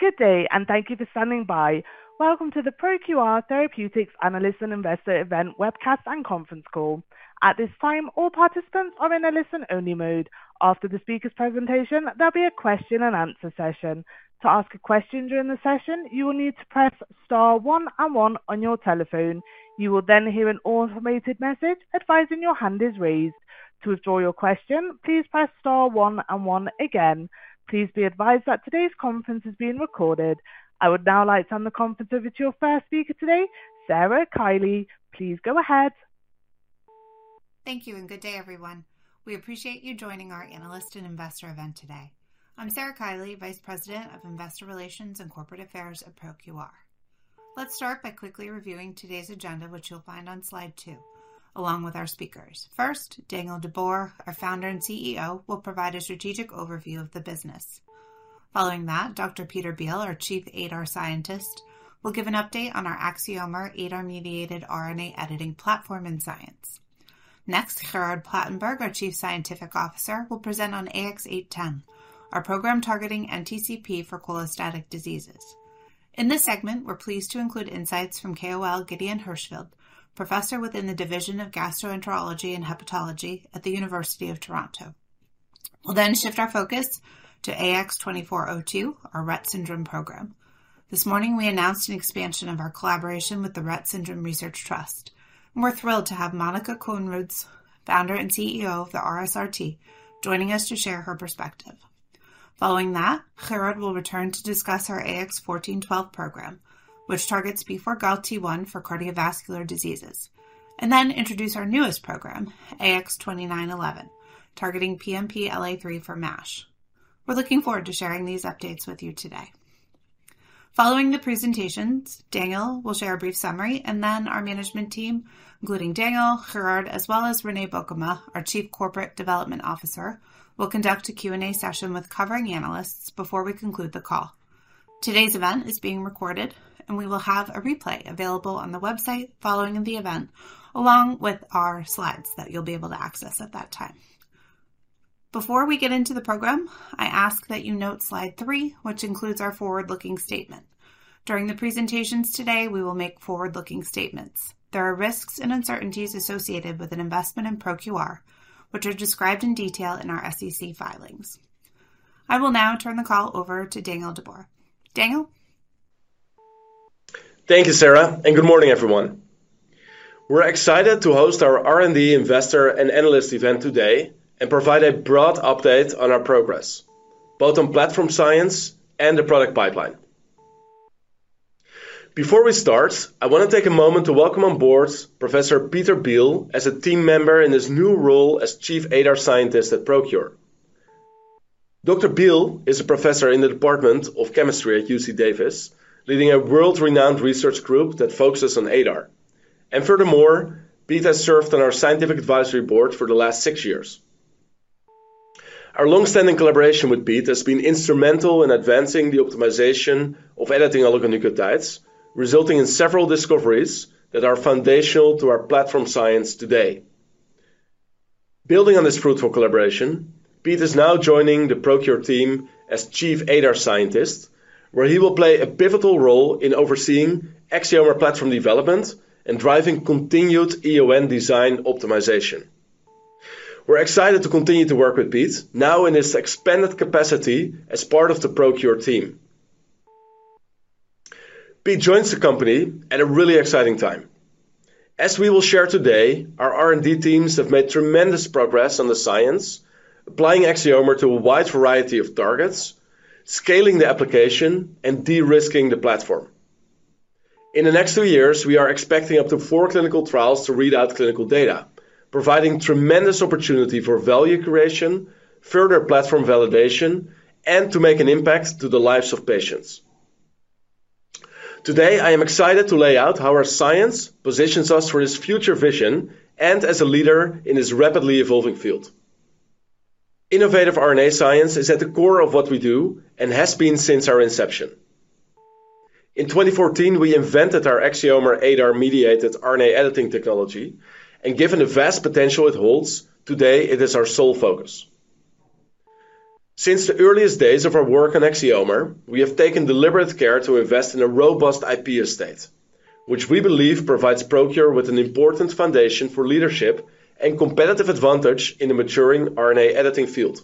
Good day, and thank you for standing by. Welcome to the ProQR Therapeutics Analysts and Investors Event webcast and conference call. At this time, all participants are in a listen-only mode. After the speaker's presentation, there'll be a question-and-answer session. To ask a question during the session, you will need to press star one and one on your telephone. You will then hear an automated message advising your hand is raised. To withdraw your question, please press star one and one again. Please be advised that today's conference is being recorded. I would now like to turn the conference over to your first speaker today, Sarah Kiely. Please go ahead. Thank you, and good day, everyone. We appreciate you joining our Analysts and Investors Event today. I'm Sarah Kiely, Vice President of Investor Relations and Corporate Affairs at ProQR. Let's start by quickly reviewing today's agenda, which you'll find on slide two, along with our speakers. First, Daniel de Boer, our founder and CEO, will provide a strategic overview of the business. Following that, Dr. Peter Beal, our Chief ADAR Scientist, will give an update on our Axiomer ADAR-mediated RNA editing platform and science. Next, Gerard Platenburg, our Chief Scientific Officer, will present on AX-0810, our program targeting NTCP for cholestatic diseases. In this segment, we're pleased to include insights from KOL Gideon Hirschfield, Professor within the Division of Gastroenterology and Hepatology at the University of Toronto. We'll then shift our focus to AX-2402, our Rett Syndrome program. This morning, we announced an expansion of our collaboration with the Rett Syndrome Research Trust, and we're thrilled to have Monica Coenraads, Founder and CEO of the RSRT, joining us to share her perspective. Following that, Gerard will return to discuss our AX-1412 program, which targets B4GALT1 for cardiovascular diseases, and then introduce our newest program, AX-2911, targeting PNPLA3 for MASH. We're looking forward to sharing these updates with you today. Following the presentations, Daniel will share a brief summary, and then our management team, including Daniel, Gerard, as well as René Beukema, our Chief Corporate Development Officer, will conduct a Q&A session with covering analysts before we conclude the call. Today's event is being recorded, and we will have a replay available on the website following the event, along with our slides that you'll be able to access at that time. Before we get into the program, I ask that you note slide three, which includes our forward-looking statement. During the presentations today, we will make forward-looking statements. There are risks and uncertainties associated with an investment in ProQR, which are described in detail in our SEC filings. I will now turn the call over to Daniel de Boer. Daniel? Thank you, Sarah, and good morning, everyone. We're excited to host our R&D Investor and Analyst Event today and provide a broad update on our progress, both on platform science and the product pipeline. Before we start, I want to take a moment to welcome on board Professor Peter Beal as a team member in his new role as Chief ADAR Scientist at ProQR. Dr. Beal is a Professor in the Department of Chemistry at UC Davis, leading a world-renowned research group that focuses on ADAR. And furthermore, Pete has served on our Scientific Advisory Board for the last six years. Our long-standing collaboration with Pete has been instrumental in advancing the optimization of editing oligonucleotides, resulting in several discoveries that are foundational to our platform science today. Building on this fruitful collaboration, Pete is now joining the ProQR team as Chief ADAR Scientist, where he will play a pivotal role in overseeing Axiomer platform development and driving continued EON design optimization. We're excited to continue to work with Pete, now in his expanded capacity as part of the ProQR team. Pete joins the company at a really exciting time. As we will share today, our R&D teams have made tremendous progress on the science, applying Axiomer to a wide variety of targets, scaling the application, and de-risking the platform. In the next two years, we are expecting up to four clinical trials to read out clinical data, providing tremendous opportunity for value creation, further platform validation, and to make an impact on the lives of patients. Today, I am excited to lay out how our science positions us for this future vision and as a leader in this rapidly evolving field. Innovative RNA science is at the core of what we do and has been since our inception. In 2014, we invented our Axiomer ADAR-mediated RNA editing technology, and given the vast potential it holds, today it is our sole focus. Since the earliest days of our work on Axiomer, we have taken deliberate care to invest in a robust IP estate, which we believe provides ProQR with an important foundation for leadership and competitive advantage in the maturing RNA editing field,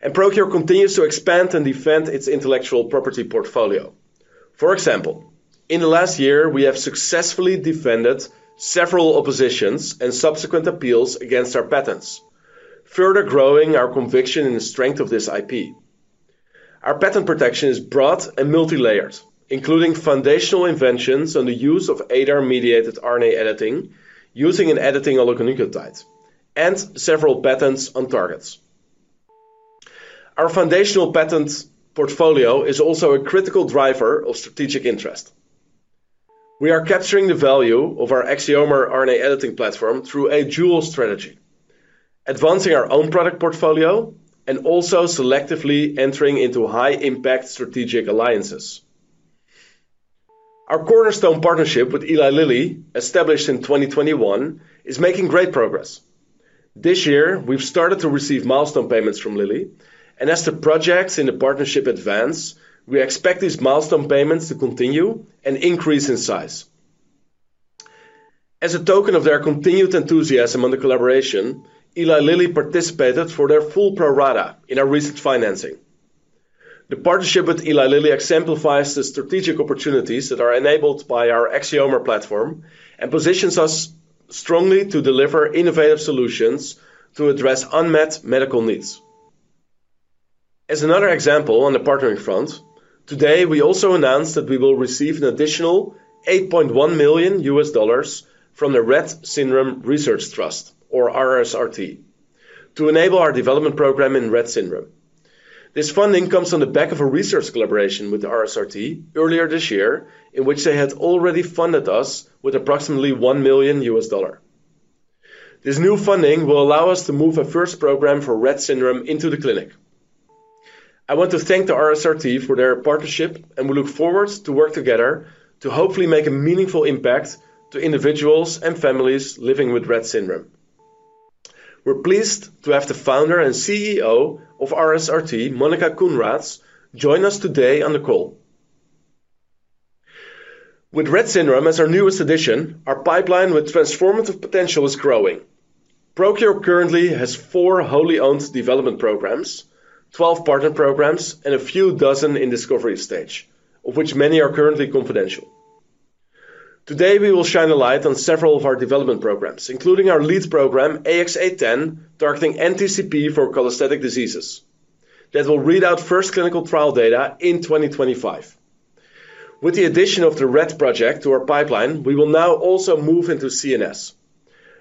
and ProQR continues to expand and defend its intellectual property portfolio. For example, in the last year, we have successfully defended several oppositions and subsequent appeals against our patents, further growing our conviction in the strength of this IP. Our patent protection is broad and multi-layered, including foundational inventions on the use of ADAR-mediated RNA editing using an editing oligonucleotide and several patents on targets. Our foundational patent portfolio is also a critical driver of strategic interest. We are capturing the value of our Axiomer RNA editing platform through a dual strategy: advancing our own product portfolio and also selectively entering into high-impact strategic alliances. Our cornerstone partnership with Eli Lilly, established in 2021, is making great progress. This year, we've started to receive milestone payments from Lilly, and as the projects in the partnership advance, we expect these milestone payments to continue and increase in size. As a token of their continued enthusiasm on the collaboration, Eli Lilly participated for their full pro rata in our recent financing. The partnership with Eli Lilly exemplifies the strategic opportunities that are enabled by our Axiomer platform and positions us strongly to deliver innovative solutions to address unmet medical needs. As another example on the partnering front, today we also announced that we will receive an additional $8.1 million from the Rett Syndrome Research Trust, or RSRT, to enable our development program in Rett Syndrome. This funding comes on the back of a research collaboration with RSRT earlier this year, in which they had already funded us with approximately $1 million. This new funding will allow us to move our first program for Rett Syndrome into the clinic. I want to thank the RSRT for their partnership, and we look forward to working together to hopefully make a meaningful impact on individuals and families living with Rett Syndrome. We're pleased to have the Founder and CEO of RSRT, Monica Coenraads, join us today on the call. With Rett Syndrome as our newest addition, our pipeline with transformative potential is growing. ProQR currently has four wholly owned development programs, 12 partner programs, and a few dozen in discovery stage, of which many are currently confidential. Today, we will shine a light on several of our development programs, including our lead program, AX-0810, targeting NTCP for cholestatic diseases, that will read out first clinical trial data in 2025. With the addition of the Rett project to our pipeline, we will now also move into CNS,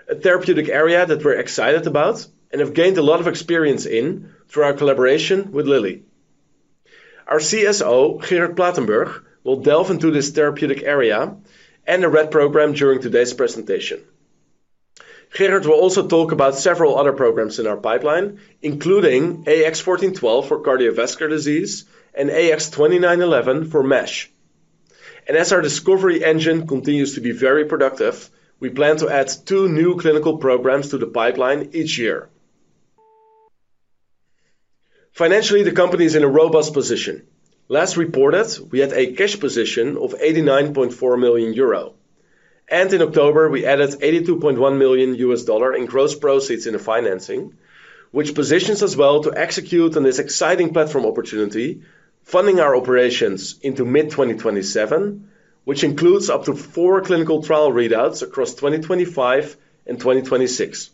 a therapeutic area that we're excited about and have gained a lot of experience in through our collaboration with Lilly. Our CSO, Gerard Platenburg, will delve into this therapeutic area and the Rett program during today's presentation. Gerard will also talk about several other programs in our pipeline, including AX-1412 for cardiovascular disease and AX-2911 for MASH, and as our discovery engine continues to be very productive, we plan to add two new clinical programs to the pipeline each year. Financially, the company is in a robust position. Last reported, we had a cash position of 89.4 million euro, and in October, we added $82.1 million in gross proceeds in the financing, which positions us well to execute on this exciting platform opportunity, funding our operations into mid-2027, which includes up to four clinical trial readouts across 2025 and 2026.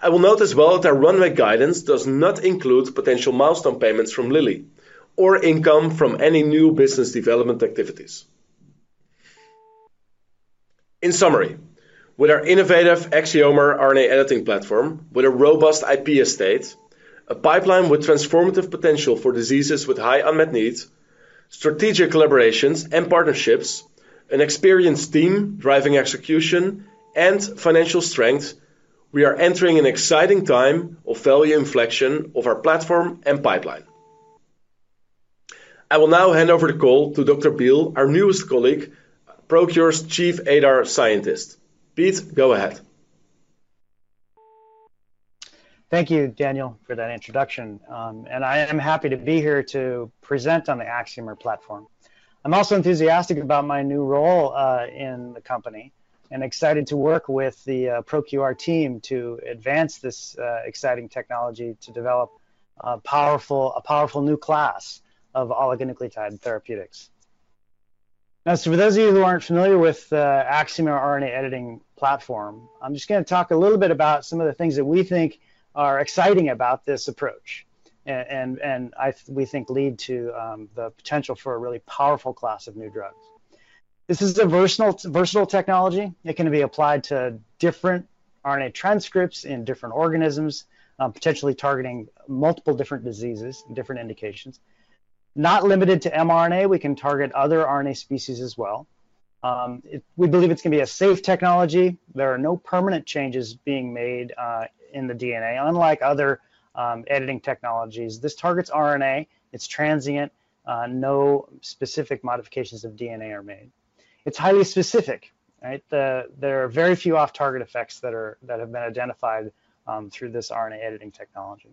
I will note as well that our runway guidance does not include potential milestone payments from Lilly or income from any new business development activities. In summary, with our innovative Axiomer RNA editing platform, with a robust IP estate, a pipeline with transformative potential for diseases with high unmet needs, strategic collaborations and partnerships, an experienced team driving execution, and financial strength, we are entering an exciting time of value inflection of our platform and pipeline. I will now hand over the call to Dr. Beal, our newest colleague, ProQR's Chief ADAR Scientist. Pete, go ahead. Thank you, Daniel, for that introduction, and I am happy to be here to present on the Axiomer platform. I'm also enthusiastic about my new role in the company and excited to work with the ProQR team to advance this exciting technology to develop a powerful new class of oligonucleotide therapeutics. Now, for those of you who aren't familiar with the Axiomer RNA editing platform, I'm just going to talk a little bit about some of the things that we think are exciting about this approach and we think lead to the potential for a really powerful class of new drugs. This is a versatile technology. It can be applied to different RNA transcripts in different organisms, potentially targeting multiple different diseases and different indications. Not limited to mRNA, we can target other RNA species as well. We believe it's going to be a safe technology. There are no permanent changes being made in the DNA, unlike other editing technologies. This targets RNA. It's transient. No specific modifications of DNA are made. It's highly specific. There are very few off-target effects that have been identified through this RNA editing technology.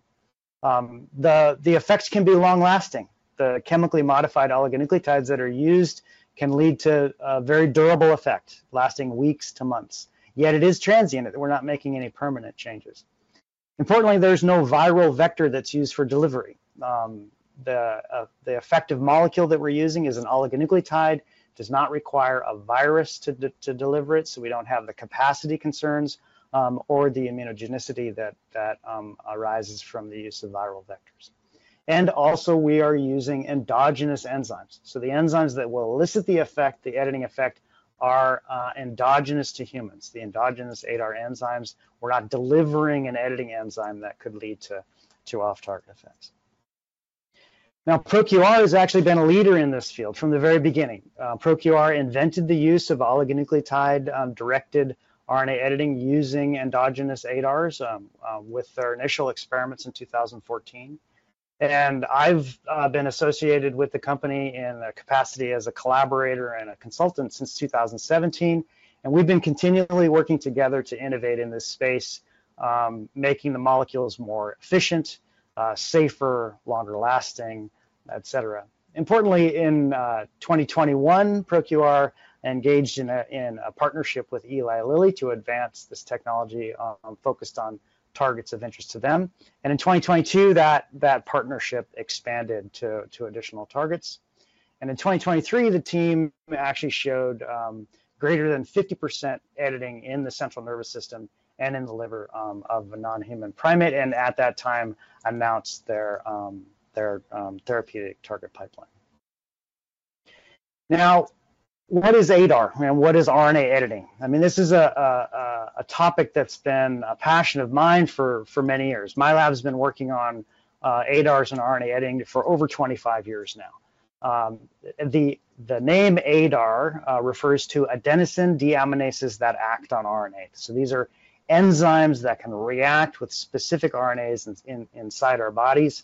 The effects can be long-lasting. The chemically modified oligonucleotides that are used can lead to a very durable effect, lasting weeks to months. Yet it is transient. We're not making any permanent changes. Importantly, there's no viral vector that's used for delivery. The effective molecule that we're using is an oligonucleotide. It does not require a virus to deliver it, so we don't have the capacity concerns or the immunogenicity that arises from the use of viral vectors, and also, we are using endogenous enzymes, so the enzymes that will elicit the effect, the editing effect, are endogenous to humans. The endogenous ADAR enzymes were not delivering an editing enzyme that could lead to off-target effects. Now, ProQR has actually been a leader in this field from the very beginning. ProQR invented the use of oligonucleotide-directed RNA editing using endogenous ADARs with our initial experiments in 2014, and I've been associated with the company in the capacity as a collaborator and a consultant since 2017, and we've been continually working together to innovate in this space, making the molecules more efficient, safer, longer-lasting, et cetera. Importantly, in 2021, ProQR engaged in a partnership with Eli Lilly to advance this technology focused on targets of interest to them, and in 2022, that partnership expanded to additional targets, and in 2023, the team actually showed greater than 50% editing in the central nervous system and in the liver of a non-human primate, and at that time, announced their therapeutic target pipeline. Now, what is ADAR? What is RNA editing? I mean, this is a topic that's been a passion of mine for many years. My lab has been working on ADARs and RNA editing for over 25 years now. The name ADAR refers to adenosine deaminases that act on RNA. So these are enzymes that can react with specific RNAs inside our bodies.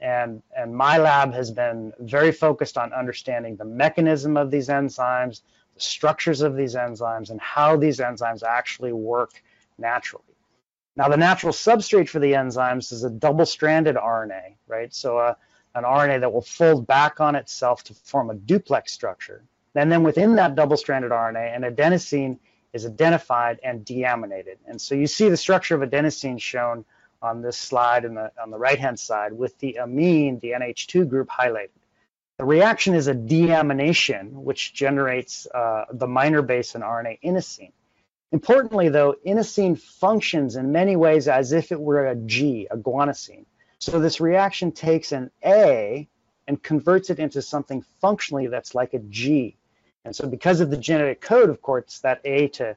And my lab has been very focused on understanding the mechanism of these enzymes, the structures of these enzymes, and how these enzymes actually work naturally. Now, the natural substrate for the enzymes is a double-stranded RNA, so an RNA that will fold back on itself to form a duplex structure. And then within that double-stranded RNA, an adenosine is identified and deaminated. And so you see the structure of adenosine shown on this slide on the right-hand side with the amine, the NH2 group, highlighted. The reaction is a deamination, which generates the minor base in RNA, inosine. Importantly, though, inosine functions in many ways as if it were a G, a guanosine. So this reaction takes an A and converts it into something functionally that's like a G. And so because of the genetic code, of course, that A to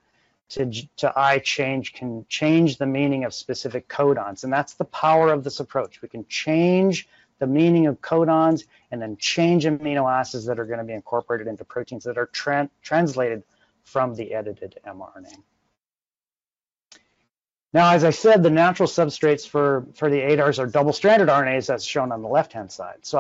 I change can change the meaning of specific codons. And that's the power of this approach. We can change the meaning of codons and then change amino acids that are going to be incorporated into proteins that are translated from the edited mRNA. Now, as I said, the natural substrates for the ADARs are double-stranded RNAs, as shown on the left-hand side. So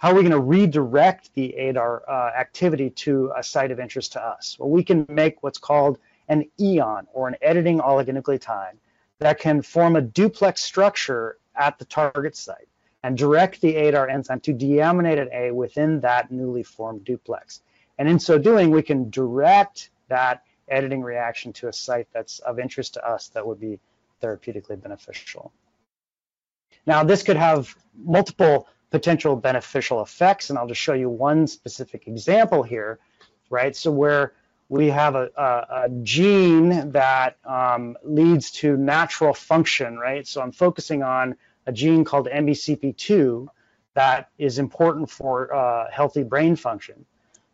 how are we going to redirect the ADAR activity to a site of interest to us? We can make what's called an EON or an editing oligonucleotide that can form a duplex structure at the target site and direct the ADAR enzyme to deaminate an A within that newly formed duplex, and in so doing, we can direct that editing reaction to a site that's of interest to us that would be therapeutically beneficial. Now, this could have multiple potential beneficial effects, and I'll just show you one specific example here, so where we have a gene that leads to natural function, so I'm focusing on a gene called MECP2 that is important for healthy brain function,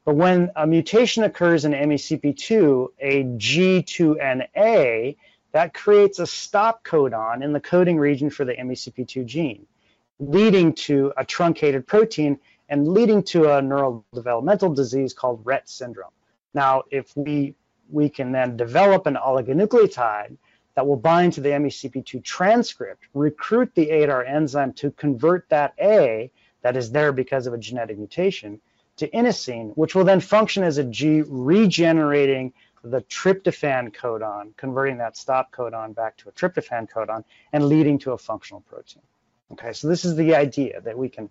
but when a mutation occurs in MECP2, a G to an A that creates a stop codon in the coding region for the MECP2 gene, leading to a truncated protein and leading to a neurodevelopmental disease called Rett Syndrome. Now, if we can then develop an oligonucleotide that will bind to the MECP2 transcript, recruit the ADAR enzyme to convert that A that is there because of a genetic mutation to inosine, which will then function as a G, regenerating the tryptophan codon, converting that stop codon back to a tryptophan codon and leading to a functional protein. So this is the idea that we can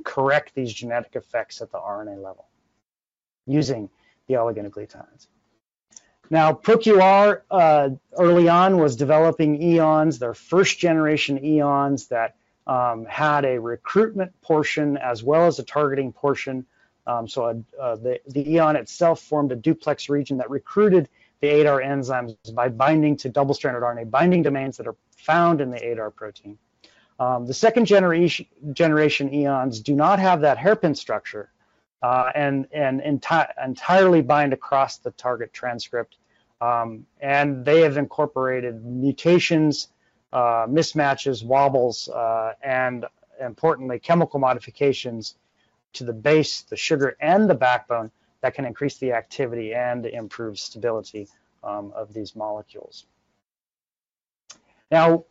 correct these genetic effects at the RNA level using the oligonucleotides. Now, ProQR early on was developing EONs, their first-generation EONs that had a recruitment portion as well as a targeting portion. So the EON itself formed a duplex region that recruited the ADAR enzymes by binding to double-stranded RNA binding domains that are found in the ADAR protein. The second-generation EONs do not have that hairpin structure and entirely bind across the target transcript. And they have incorporated mutations, mismatches, wobbles, and importantly, chemical modifications to the base, the sugar, and the backbone that can increase the activity and improve stability of these molecules. Now,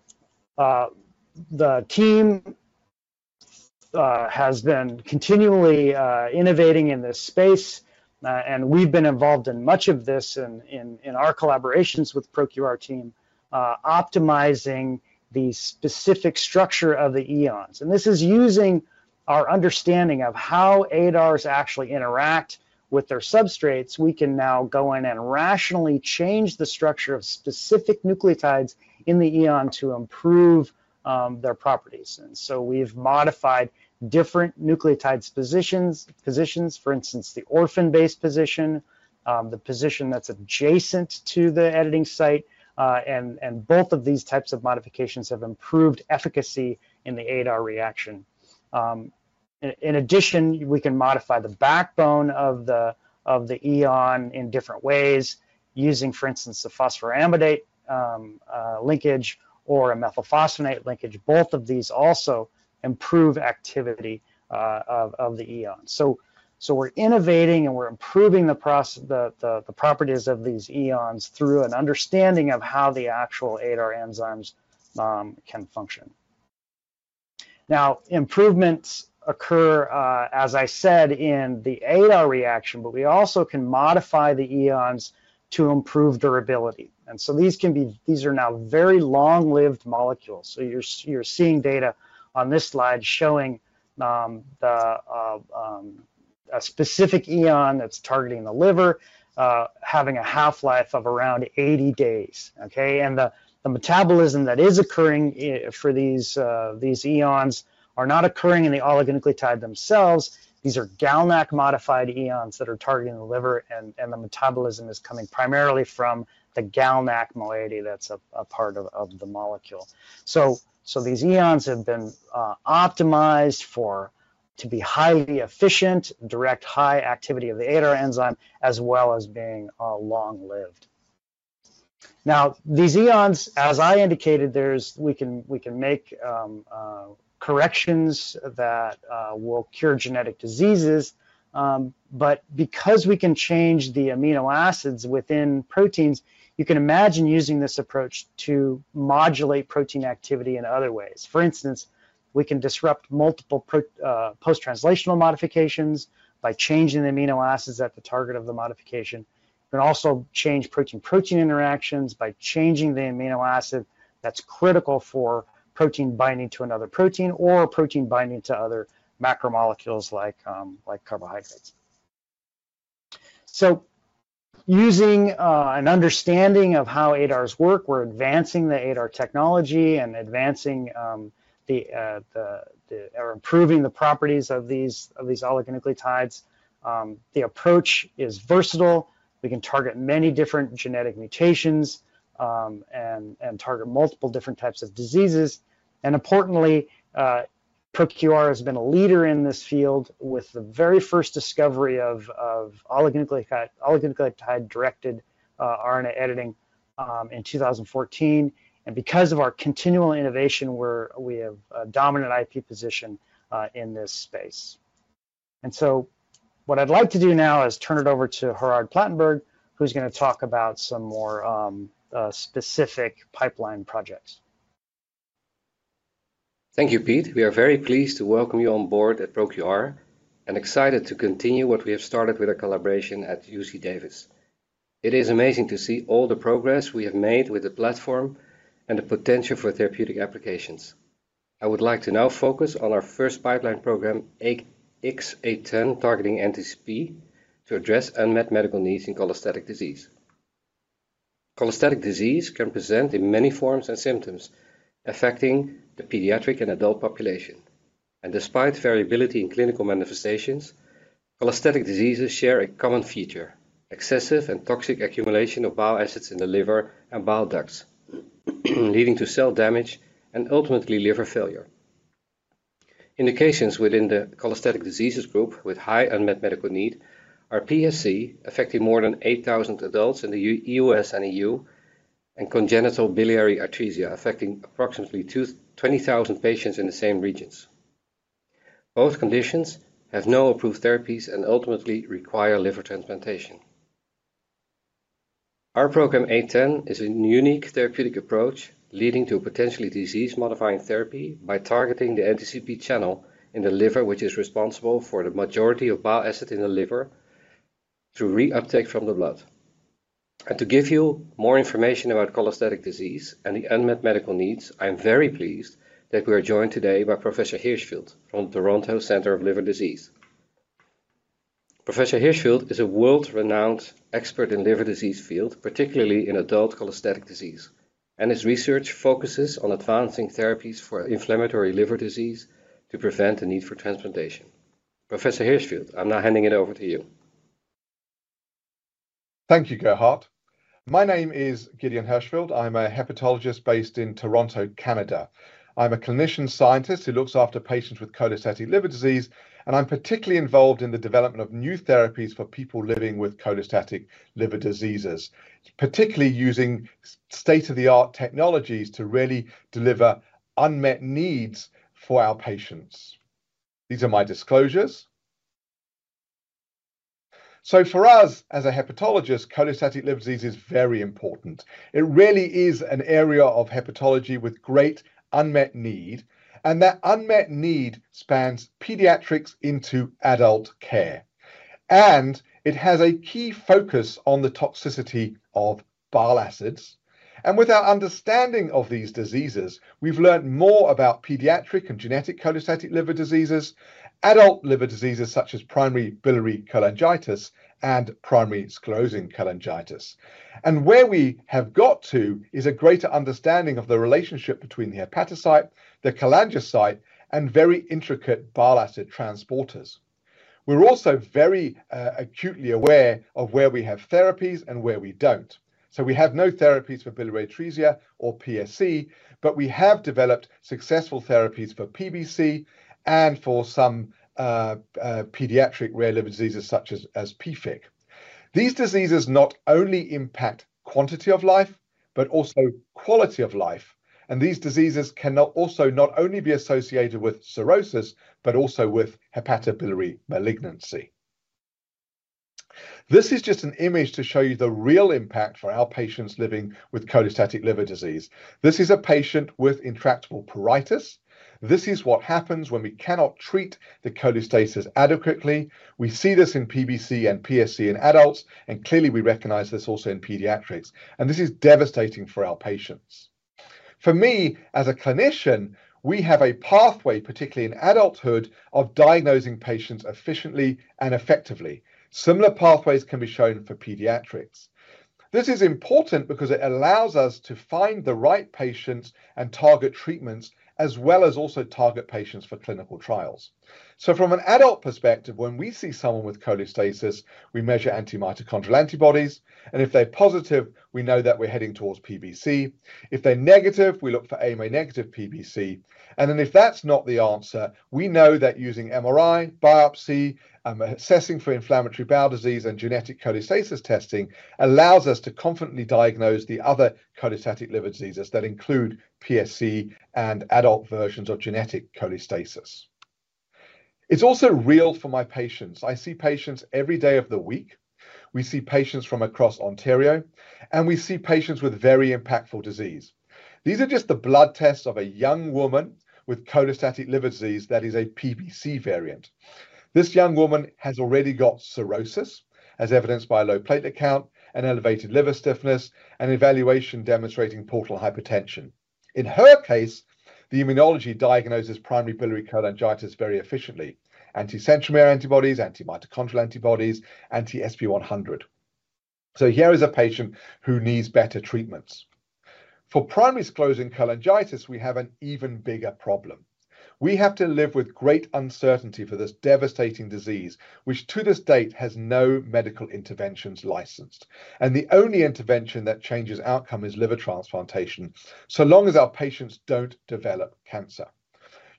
the team has been continually innovating in this space. And we've been involved in much of this in our collaborations with the ProQR team, optimizing the specific structure of the EONs. And this is using our understanding of how ADARs actually interact with their substrates. We can now go in and rationally change the structure of specific nucleotides in the EON to improve their properties. And so we've modified different nucleotide positions, for instance, the orphan base position, the position that's adjacent to the editing site. And both of these types of modifications have improved efficacy in the ADAR reaction. In addition, we can modify the backbone of the EON in different ways using, for instance, the phosphoramidate linkage or a methylphosphonate linkage. Both of these also improve activity of the EON. We're innovating and we're improving the properties of these EONs through an understanding of how the actual ADAR enzymes can function. Now, improvements occur, as I said, in the ADAR reaction, but we also can modify the EONs to improve durability. These are now very long-lived molecules. You're seeing data on this slide showing a specific EON that's targeting the liver, having a half-life of around 80 days. The metabolism that is occurring for these EONs are not occurring in the oligonucleotide themselves. These are GalNAc-modified EONs that are targeting the liver. The metabolism is coming primarily from the GalNAc moiety that's a part of the molecule. These EONs have been optimized to be highly efficient, direct high activity of the ADAR enzyme, as well as being long-lived. Now, these EONs, as I indicated, we can make corrections that will cure genetic diseases. Because we can change the amino acids within proteins, you can imagine using this approach to modulate protein activity in other ways. For instance, we can disrupt multiple post-translational modifications by changing the amino acids at the target of the modification. We can also change protein-protein interactions by changing the amino acid that's critical for protein binding to another protein or protein binding to other macromolecules like carbohydrates. Using an understanding of how ADARs work, we're advancing the ADAR technology and advancing or improving the properties of these oligonucleotides. The approach is versatile. We can target many different genetic mutations and target multiple different types of diseases. And importantly, ProQR has been a leader in this field with the very first discovery of oligonucleotide-directed RNA editing in 2014. And because of our continual innovation, we have a dominant IP position in this space. And so what I'd like to do now is turn it over to Gerard Platenburg, who's going to talk about some more specific pipeline projects. Thank you, Pete. We are very pleased to welcome you on board at ProQR and excited to continue what we have started with a collaboration at UC Davis. It is amazing to see all the progress we have made with the platform and the potential for therapeutic applications. I would like to now focus on our first pipeline program, AX-0810, targeting NTCP to address unmet medical needs in cholestatic disease. Cholestatic disease can present in many forms and symptoms affecting the pediatric and adult population. Despite variability in clinical manifestations, cholestatic diseases share a common feature: excessive and toxic accumulation of bile acids in the liver and bile ducts, leading to cell damage and ultimately liver failure. Indications within the cholestatic diseases group with high unmet medical need are PSC, affecting more than 8,000 adults in the U.S. and E.U., and congenital Biliary Atresia, affecting approximately 20,000 patients in the same regions. Both conditions have no approved therapies and ultimately require liver transplantation. Our program, AX-0810, is a unique therapeutic approach leading to a potentially disease-modifying therapy by targeting the NTCP channel in the liver, which is responsible for the majority of bile acid in the liver, through reuptake from the blood. To give you more information about cholestatic disease and the unmet medical needs, I'm very pleased that we are joined today by Professor Hirschfield from the Toronto Centre for Liver Disease. Professor Hirschfield is a world-renowned expert in the liver disease field, particularly in adult cholestatic disease. His research focuses on advancing therapies for inflammatory liver disease to prevent the need for transplantation. Professor Hirschfield, I'm now handing it over to you. Thank you, Gerard. My name is Gideon Hirschfield. I'm a hepatologist based in Toronto, Canada. I'm a clinician scientist who looks after patients with cholestatic liver disease, and I'm particularly involved in the development of new therapies for people living with cholestatic liver diseases, particularly using state-of-the-art technologies to really deliver unmet needs for our patients. These are my disclosures. So for us, as a hepatologist, cholestatic liver disease is very important. It really is an area of hepatology with great unmet need, and that unmet need spans pediatrics into adult care, and it has a key focus on the toxicity of bile acids, and with our understanding of these diseases, we've learned more about pediatric and genetic cholestatic liver diseases, adult liver diseases such as primary biliary cholangitis and primary sclerosing cholangitis. Where we have got to is a greater understanding of the relationship between the hepatocyte, the cholangiocyte, and very intricate bile acid transporters. We're also very acutely aware of where we have therapies and where we don't. We have no therapies for biliary atresia or PSC, but we have developed successful therapies for PBC and for some pediatric rare liver diseases such as PFIC. These diseases not only impact quantity of life, but also quality of life. These diseases can also not only be associated with cirrhosis, but also with hepatobiliary malignancy. This is just an image to show you the real impact for our patients living with cholestatic liver disease. This is a patient with intractable pruritus. This is what happens when we cannot treat the cholestasis adequately. We see this in PBC and PSC in adults. Clearly, we recognize this also in pediatrics. This is devastating for our patients. For me, as a clinician, we have a pathway, particularly in adulthood, of diagnosing patients efficiently and effectively. Similar pathways can be shown for pediatrics. This is important because it allows us to find the right patients and target treatments, as well as also target patients for clinical trials. From an adult perspective, when we see someone with cholestasis, we measure antimitochondrial antibodies. And if they're positive, we know that we're heading towards PBC. If they're negative, we look for AMA-negative PBC. And then if that's not the answer, we know that using MRI, biopsy, and assessing for inflammatory bowel disease and genetic cholestasis testing allows us to confidently diagnose the other cholestatic liver diseases that include PSC and adult versions of genetic cholestasis. It's also real for my patients. I see patients every day of the week. We see patients from across Ontario, and we see patients with very impactful disease. These are just the blood tests of a young woman with cholestatic liver disease that is a PBC variant. This young woman has already got cirrhosis, as evidenced by low platelet count and elevated liver stiffness, and evaluation demonstrating portal hypertension. In her case, the immunology diagnoses primary biliary cholangitis very efficiently: anti-centromere antibodies, antimitochondrial antibodies, anti-Sp100, so here is a patient who needs better treatments. For primary sclerosing cholangitis, we have an even bigger problem. We have to live with great uncertainty for this devastating disease, which to this date has no medical interventions licensed, and the only intervention that changes outcome is liver transplantation, so long as our patients don't develop cancer.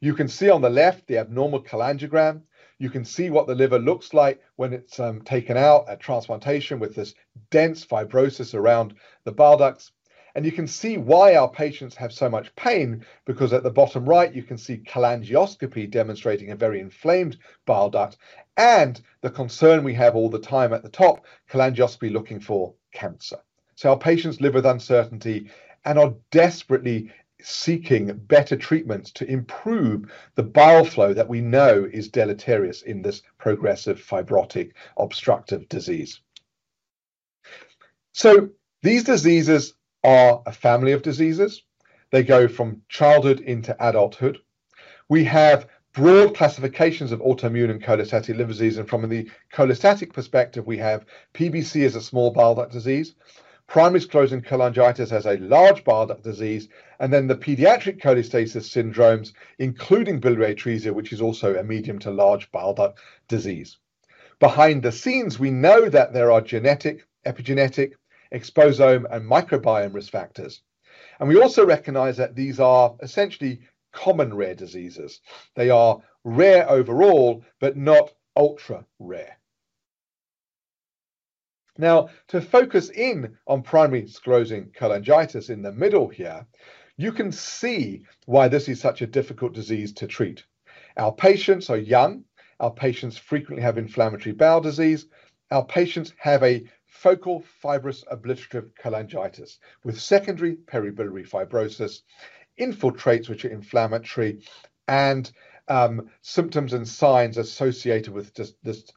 You can see on the left the abnormal cholangiogram. You can see what the liver looks like when it's taken out at transplantation with this dense fibrosis around the bile ducts. And you can see why our patients have so much pain, because at the bottom right, you can see cholangioscopy demonstrating a very inflamed bile duct. And the concern we have all the time at the top, cholangioscopy looking for cancer. So our patients live with uncertainty and are desperately seeking better treatments to improve the bile flow that we know is deleterious in this progressive fibrotic obstructive disease. So these diseases are a family of diseases. They go from childhood into adulthood. We have broad classifications of autoimmune and cholestatic liver disease. From the cholestatic perspective, we have PBC as a small bile duct disease, primary sclerosing cholangitis as a large bile duct disease, and then the pediatric cholestasis syndromes, including biliary atresia, which is also a medium to large bile duct disease. Behind the scenes, we know that there are genetic, epigenetic, exposome, and microbiome risk factors. We also recognize that these are essentially common rare diseases. They are rare overall, but not ultra rare. Now, to focus in on primary sclerosing cholangitis in the middle here, you can see why this is such a difficult disease to treat. Our patients are young. Our patients frequently have inflammatory bowel disease. Our patients have a focal fibrous obliterative cholangitis with secondary peribiliary fibrosis, infiltrates which are inflammatory, and symptoms and signs associated with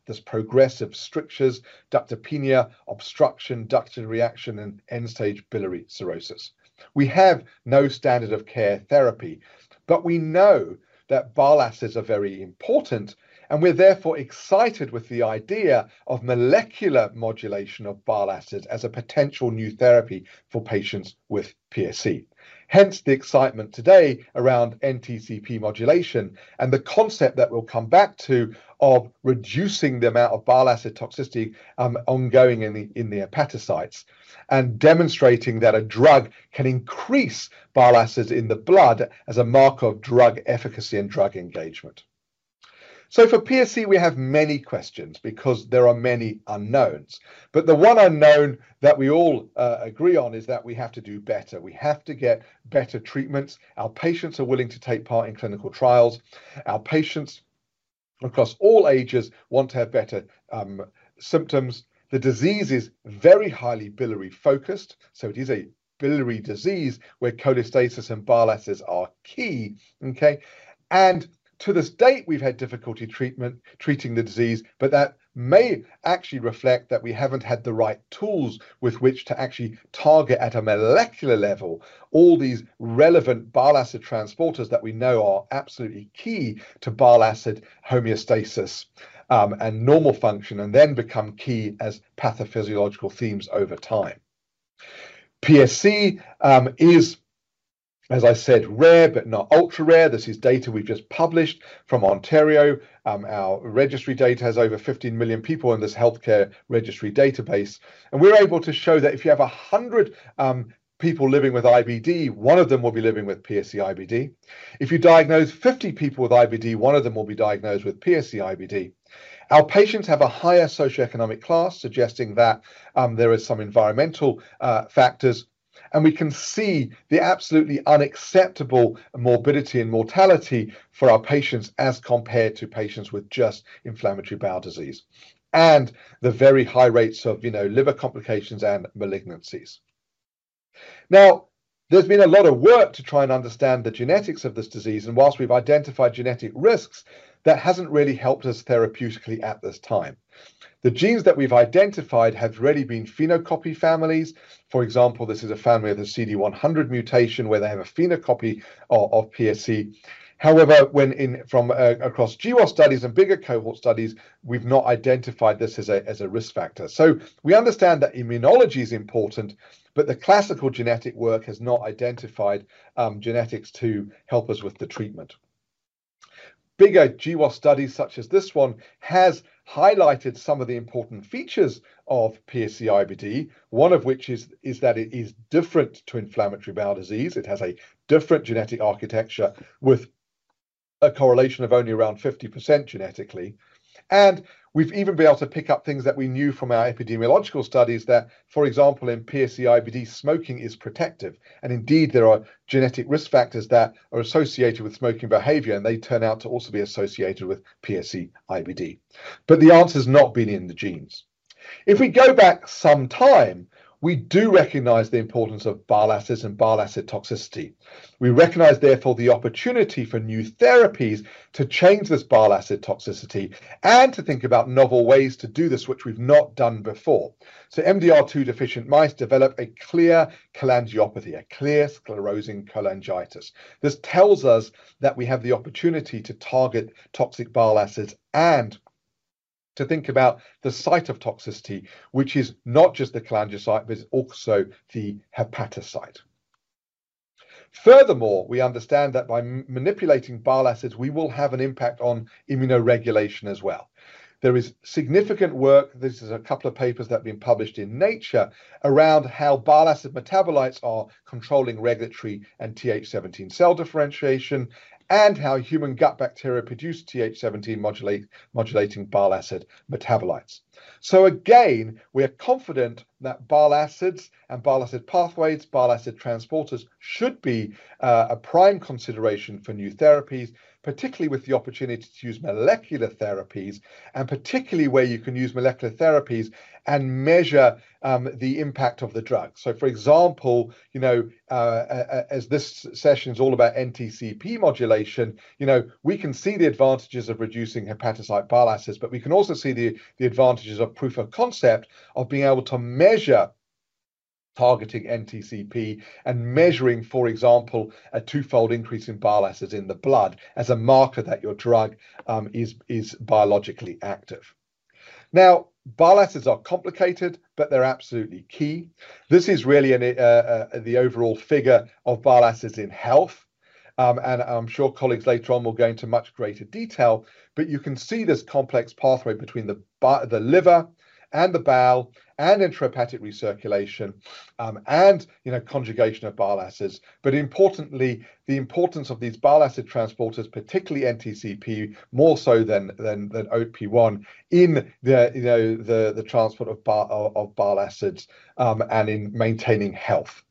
these progressive strictures, ductopenia, obstruction, ductular reaction, and end-stage biliary cirrhosis. We have no standard of care therapy, but we know that bile acids are very important, and we're therefore excited with the idea of molecular modulation of bile acid as a potential new therapy for patients with PSC. Hence the excitement today around NTCP modulation and the concept that we'll come back to of reducing the amount of bile acid toxicity ongoing in the hepatocytes and demonstrating that a drug can increase bile acids in the blood as a mark of drug efficacy and drug engagement. So, for PSC, we have many questions because there are many unknowns, but the one unknown that we all agree on is that we have to do better. We have to get better treatments. Our patients are willing to take part in clinical trials. Our patients across all ages want to have better symptoms. The disease is very highly biliary focused. It is a biliary disease where cholestasis and bile acids are key. And to this date, we've had difficulty treating the disease, but that may actually reflect that we haven't had the right tools with which to actually target at a molecular level all these relevant bile acid transporters that we know are absolutely key to bile acid homeostasis and normal function and then become key as pathophysiological themes over time. PSC is, as I said, rare, but not ultra rare. This is data we've just published from Ontario. Our registry data has over 15 million people in this healthcare registry database. And we're able to show that if you have 100 people living with IBD, one of them will be living with PSC IBD. If you diagnose 50 people with IBD, one of them will be diagnosed with PSC IBD. Our patients have a higher socioeconomic class, suggesting that there are some environmental factors, and we can see the absolutely unacceptable morbidity and mortality for our patients as compared to patients with just inflammatory bowel disease and the very high rates of liver complications and malignancies. Now, there's been a lot of work to try and understand the genetics of this disease, and while we've identified genetic risks, that hasn't really helped us therapeutically at this time. The genes that we've identified have really been phenocopy families. For example, this is a family of the CD100 mutation where they have a phenocopy of PSC. However, from across GWAS studies and bigger cohort studies, we've not identified this as a risk factor, so we understand that immunology is important, but the classical genetic work has not identified genetics to help us with the treatment. Bigger GWAS studies, such as this one, have highlighted some of the important features of PSC IBD, one of which is that it is different to inflammatory bowel disease. It has a different genetic architecture with a correlation of only around 50% genetically. And we've even been able to pick up things that we knew from our epidemiological studies that, for example, in PSC IBD, smoking is protective. And indeed, there are genetic risk factors that are associated with smoking behavior. And they turn out to also be associated with PSC IBD. But the answer has not been in the genes. If we go back some time, we do recognize the importance of bile acids and bile acid toxicity. We recognize, therefore, the opportunity for new therapies to change this bile acid toxicity and to think about novel ways to do this, which we've not done before. So MDR2 deficient mice develop a clear cholangiopathy, a clear sclerosing cholangitis. This tells us that we have the opportunity to target toxic bile acids and to think about the site of toxicity, which is not just the cholangiocyte, but it's also the hepatocyte. Furthermore, we understand that by manipulating bile acids, we will have an impact on immunoregulation as well. There is significant work. This is a couple of papers that have been published in Nature around how bile acid metabolites are controlling regulatory and TH17 cell differentiation and how human gut bacteria produce TH17 modulating bile acid metabolites. So again, we are confident that bile acids and bile acid pathways, bile acid transporters should be a prime consideration for new therapies, particularly with the opportunity to use molecular therapies and particularly where you can use molecular therapies and measure the impact of the drug. So for example, as this session is all about NTCP modulation, we can see the advantages of reducing hepatocyte bile acids, but we can also see the advantages of proof of concept of being able to measure targeting NTCP and measuring, for example, a twofold increase in bile acids in the blood as a marker that your drug is biologically active. Now, bile acids are complicated, but they're absolutely key. This is really the overall figure of bile acids in health. And I'm sure colleagues later on will go into much greater detail. But you can see this complex pathway between the liver and the bowel and intrahepatic recirculation and conjugation of bile acids. But importantly, the importance of these bile acid transporters, particularly NTCP, more so than OP1 in the transport of bile acids and in maintaining health.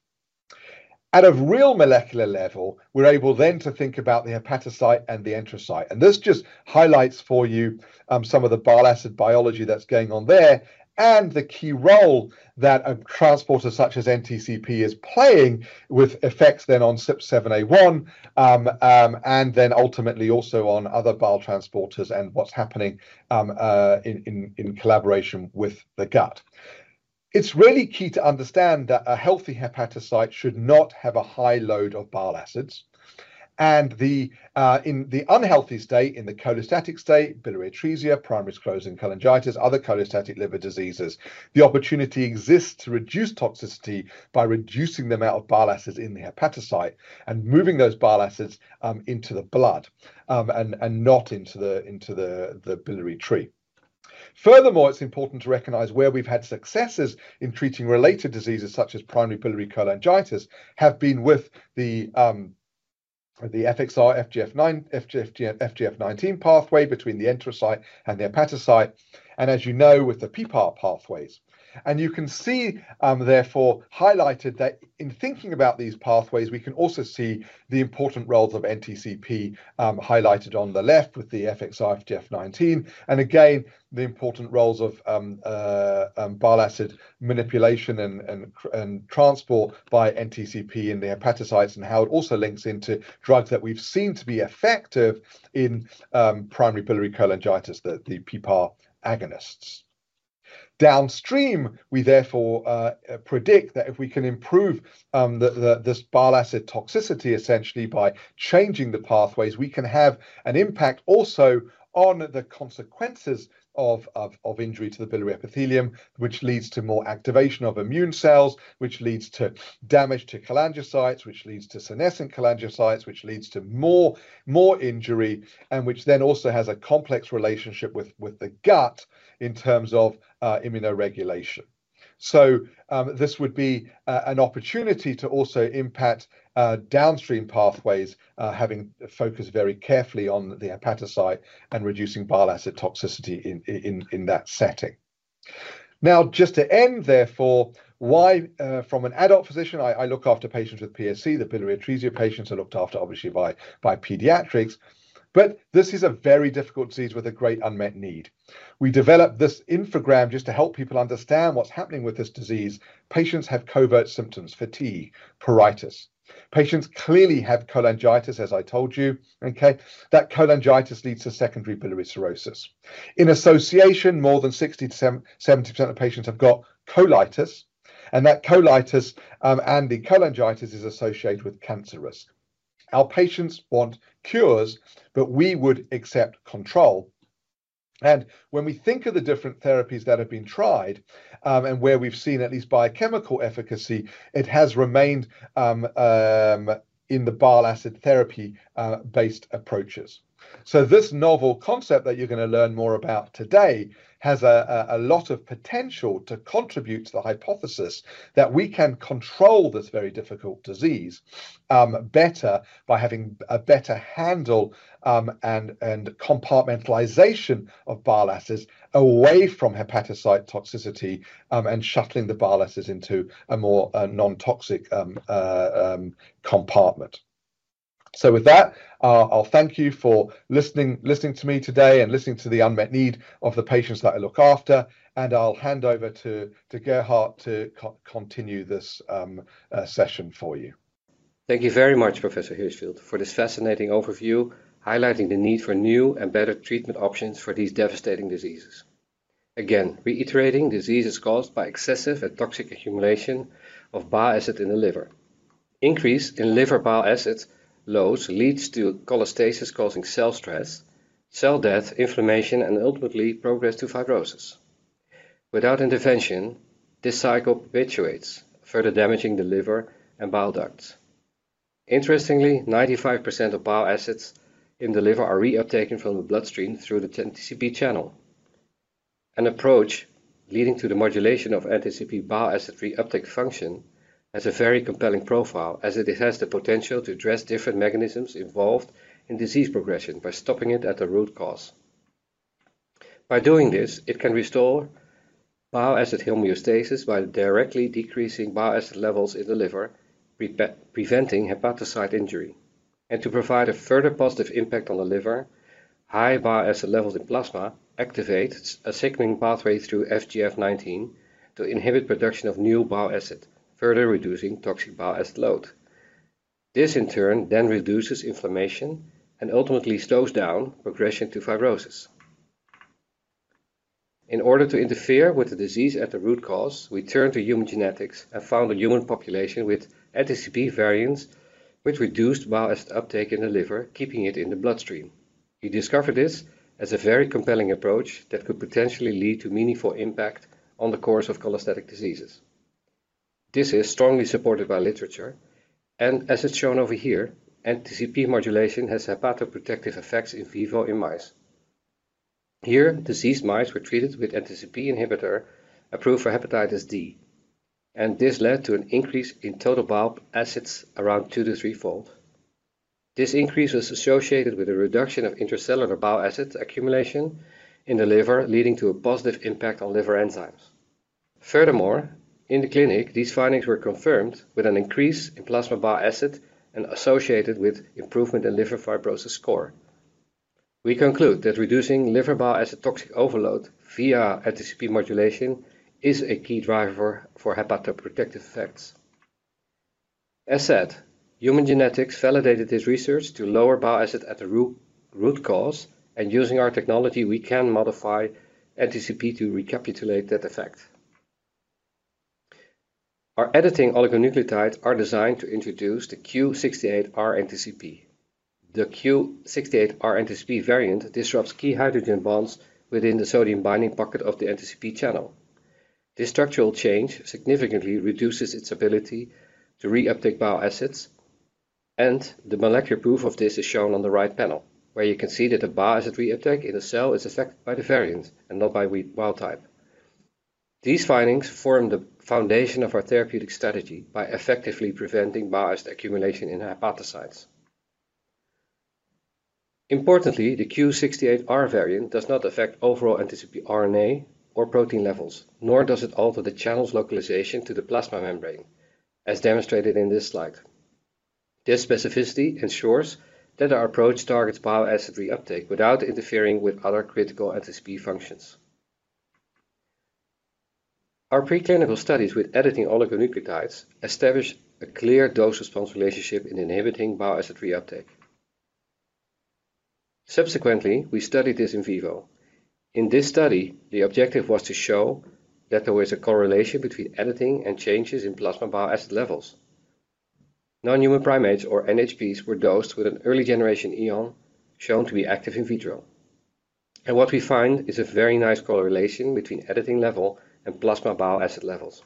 At a real molecular level, we're able then to think about the hepatocyte and the enterocyte, and this just highlights for you some of the bile acid biology that's going on there and the key role that a transporter such as NTCP is playing with effects then on CYP7A1 and then ultimately also on other bile transporters and what's happening in collaboration with the gut. It's really key to understand that a healthy hepatocyte should not have a high load of bile acids, and in the unhealthy state, in the cholestatic state, Biliary Atresia, Primary Sclerosing Cholangitis, other cholestatic liver diseases, the opportunity exists to reduce toxicity by reducing the amount of bile acids in the hepatocyte and moving those bile acids into the blood and not into the biliary tree. Furthermore, it's important to recognize where we've had successes in treating related diseases such as Primary Biliary Cholangitis have been with the FXR FGF19 pathway between the enterocyte and the hepatocyte. And as you know, with the PPAR pathways. And you can see, therefore, highlighted that in thinking about these pathways, we can also see the important roles of NTCP highlighted on the left with the FXR FGF19. And again, the important roles of bile acid manipulation and transport by NTCP in the hepatocytes and how it also links into drugs that we've seen to be effective in Primary Biliary Cholangitis, the PPAR agonists. Downstream, we therefore predict that if we can improve this bile acid toxicity essentially by changing the pathways, we can have an impact also on the consequences of injury to the biliary epithelium, which leads to more activation of immune cells, which leads to damage to cholangiocytes, which leads to senescent cholangiocytes, which leads to more injury, and which then also has a complex relationship with the gut in terms of immunoregulation, so this would be an opportunity to also impact downstream pathways, having focused very carefully on the hepatocyte and reducing bile acid toxicity in that setting. Now, just to end, therefore, from an adult physician, I look after patients with PSC. The Biliary Atresia patients are looked after, obviously, by pediatrics. But this is a very difficult disease with a great unmet need. We developed this infographic just to help people understand what's happening with this disease. Patients have covert symptoms, fatigue, pruritus. Patients clearly have cholangitis, as I told you. That cholangitis leads to secondary biliary cirrhosis. In association, more than 60%-70% of patients have got colitis, and that colitis and the cholangitis is associated with cancer risk. Our patients want cures, but we would accept control. And when we think of the different therapies that have been tried and where we've seen at least biochemical efficacy, it has remained in the bile acid therapy-based approaches, so this novel concept that you're going to learn more about today has a lot of potential to contribute to the hypothesis that we can control this very difficult disease better by having a better handle and compartmentalization of bile acids away from hepatocyte toxicity and shuttling the bile acids into a more non-toxic compartment. So with that, I'll thank you for listening to me today and listening to the unmet need of the patients that I look after. And I'll hand over to Gerard to continue this session for you. Thank you very much, Professor Hirschfield, for this fascinating overview highlighting the need for new and better treatment options for these devastating diseases. Again, reiterating, disease is caused by excessive and toxic accumulation of bile acid in the liver. Increase in liver bile acid loads leads to cholestasis causing cell stress, cell death, inflammation, and ultimately progress to fibrosis. Without intervention, this cycle perpetuates, further damaging the liver and bile ducts. Interestingly, 95% of bile acids in the liver are re-uptaken from the bloodstream through the NTCP channel. An approach leading to the modulation of NTCP bile acid re-uptake function has a very compelling profile as it has the potential to address different mechanisms involved in disease progression by stopping it at the root cause. By doing this, it can restore bile acid homeostasis by directly decreasing bile acid levels in the liver, preventing hepatocyte injury, and to provide a further positive impact on the liver, high bile acid levels in plasma activate a signaling pathway through FGF19 to inhibit production of new bile acid, further reducing toxic bile acid load. This, in turn, then reduces inflammation and ultimately slows down progression to fibrosis. In order to interfere with the disease at the root cause, we turned to human genetics and found a human population with NTCP variants which reduced bile acid uptake in the liver, keeping it in the bloodstream. We discovered this as a very compelling approach that could potentially lead to meaningful impact on the course of cholestatic diseases. This is strongly supported by literature, and as it's shown over here, NTCP modulation has hepatoprotective effects in vivo in mice. Here, diseased mice were treated with NTCP inhibitor approved for hepatitis D, and this led to an increase in total bile acids around two to three-fold. This increase was associated with a reduction of intracellular bile acid accumulation in the liver, leading to a positive impact on liver enzymes. Furthermore, in the clinic, these findings were confirmed with an increase in plasma bile acid and associated with improvement in liver fibrosis score. We conclude that reducing liver bile acid toxic overload via NTCP modulation is a key driver for hepatoprotective effects. As said, human genetics validated this research to lower bile acid at the root cause. Using our technology, we can modify NTCP to recapitulate that effect. Our editing oligonucleotides are designed to introduce the Q68R NTCP. The Q68R NTCP variant disrupts key hydrogen bonds within the sodium-binding pocket of the NTCP channel. This structural change significantly reduces its ability to re-uptake bile acids. The molecular proof of this is shown on the right panel, where you can see that the bile acid re-uptake in a cell is affected by the variant and not by wild type. These findings form the foundation of our therapeutic strategy by effectively preventing bile acid accumulation in hepatocytes. Importantly, the Q68R variant does not affect overall NTCP RNA or protein levels, nor does it alter the channel's localization to the plasma membrane, as demonstrated in this slide. This specificity ensures that our approach targets bile acid re-uptake without interfering with other critical NTCP functions. Our preclinical studies with editing oligonucleotides established a clear dose-response relationship in inhibiting bile acid re-uptake. Subsequently, we studied this in vivo. In this study, the objective was to show that there was a correlation between editing and changes in plasma bile acid levels. Non-human primates, or NHPs, were dosed with an early generation EON shown to be active in vitro, and what we find is a very nice correlation between editing level and plasma bile acid levels.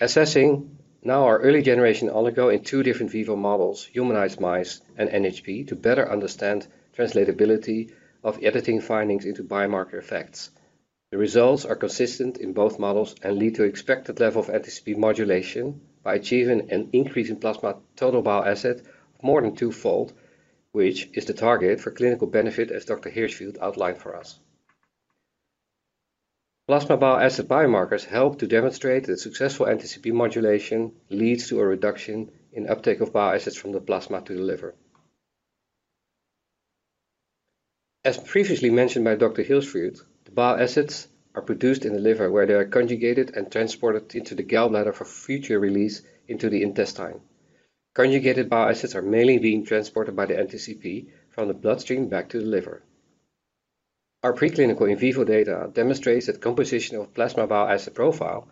Assessing now our early generation oligo in two different in vivo models, humanized mice and NHP, to better understand translatability of editing findings into biomarker effects. The results are consistent in both models and lead to an expected level of NTCP modulation by achieving an increase in plasma total bile acid of more than twofold, which is the target for clinical benefit, as Dr. Hirschfield outlined for us. Plasma bile acid biomarkers help to demonstrate that successful NTCP modulation leads to a reduction in uptake of bile acids from the plasma to the liver. As previously mentioned by Dr. Hirschfield, the bile acids are produced in the liver where they are conjugated and transported into the gallbladder for future release into the intestine. Conjugated bile acids are mainly being transported by the NTCP from the bloodstream back to the liver. Our preclinical in vivo data demonstrates that composition of plasma bile acid profile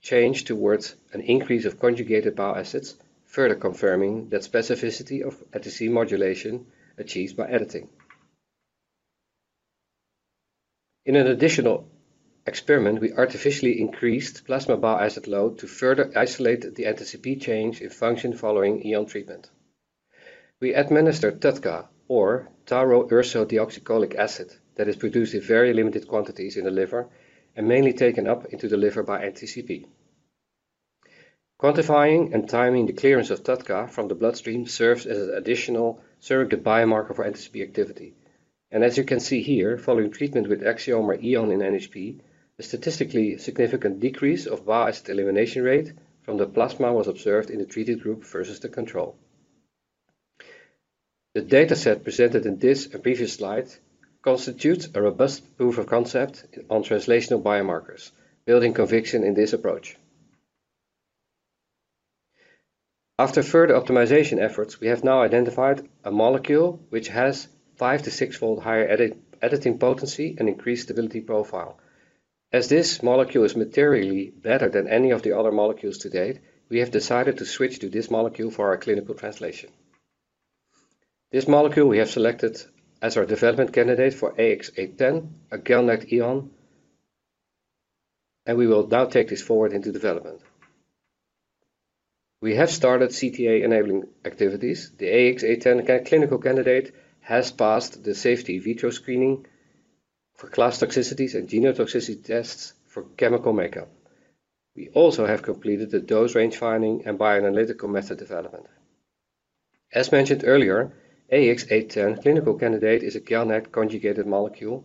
changed towards an increase of conjugated bile acids, further confirming that specificity of NTCP modulation achieved by editing. In an additional experiment, we artificially increased plasma bile acid load to further isolate the NTCP change in function following EON treatment. We administered TUDCA, or tauroursodeoxycholic acid, that is produced in very limited quantities in the liver and mainly taken up into the liver by NTCP. Quantifying and timing the clearance of TUDCA from the bloodstream serves as an additional surrogate biomarker for NTCP activity, and as you can see here, following treatment with Axiomer EON in NHP, a statistically significant decrease of bile acid elimination rate from the plasma was observed in the treated group versus the control. The dataset presented in this and previous slides constitutes a robust proof of concept on translational biomarkers, building conviction in this approach. After further optimization efforts, we have now identified a molecule which has five- to six-fold higher editing potency and increased stability profile. As this molecule is materially better than any of the other molecules to date, we have decided to switch to this molecule for our clinical translation. This molecule we have selected as our development candidate for AX-0810, a GalNAc EON, and we will now take this forward into development. We have started CTA enabling activities. The AX-0810 clinical candidate has passed the safety in vitro screening for class toxicities and genotoxicity tests for chemical makeup. We also have completed the dose range finding and bioanalytical method development. As mentioned earlier, AX-0810 clinical candidate is a GalNAc-conjugated molecule,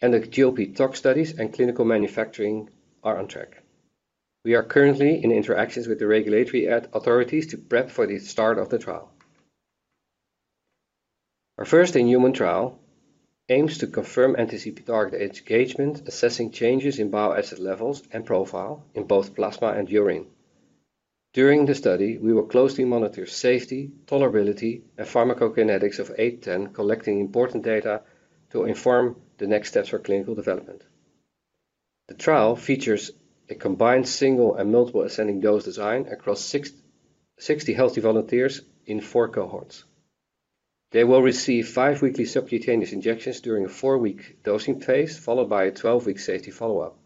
and the GLP-tox studies and clinical manufacturing are on track. We are currently in interactions with the regulatory authorities to prep for the start of the trial. Our first in-human trial aims to confirm NTCP target engagement, assessing changes in bile acid levels and profile in both plasma and urine. During the study, we will closely monitor safety, tolerability, and pharmacokinetics of 0810, collecting important data to inform the next steps for clinical development. The trial features a combined single and multiple ascending dose design across 60 healthy volunteers in four cohorts. They will receive five weekly subcutaneous injections during a four-week dosing phase, followed by a 12-week safety follow-up.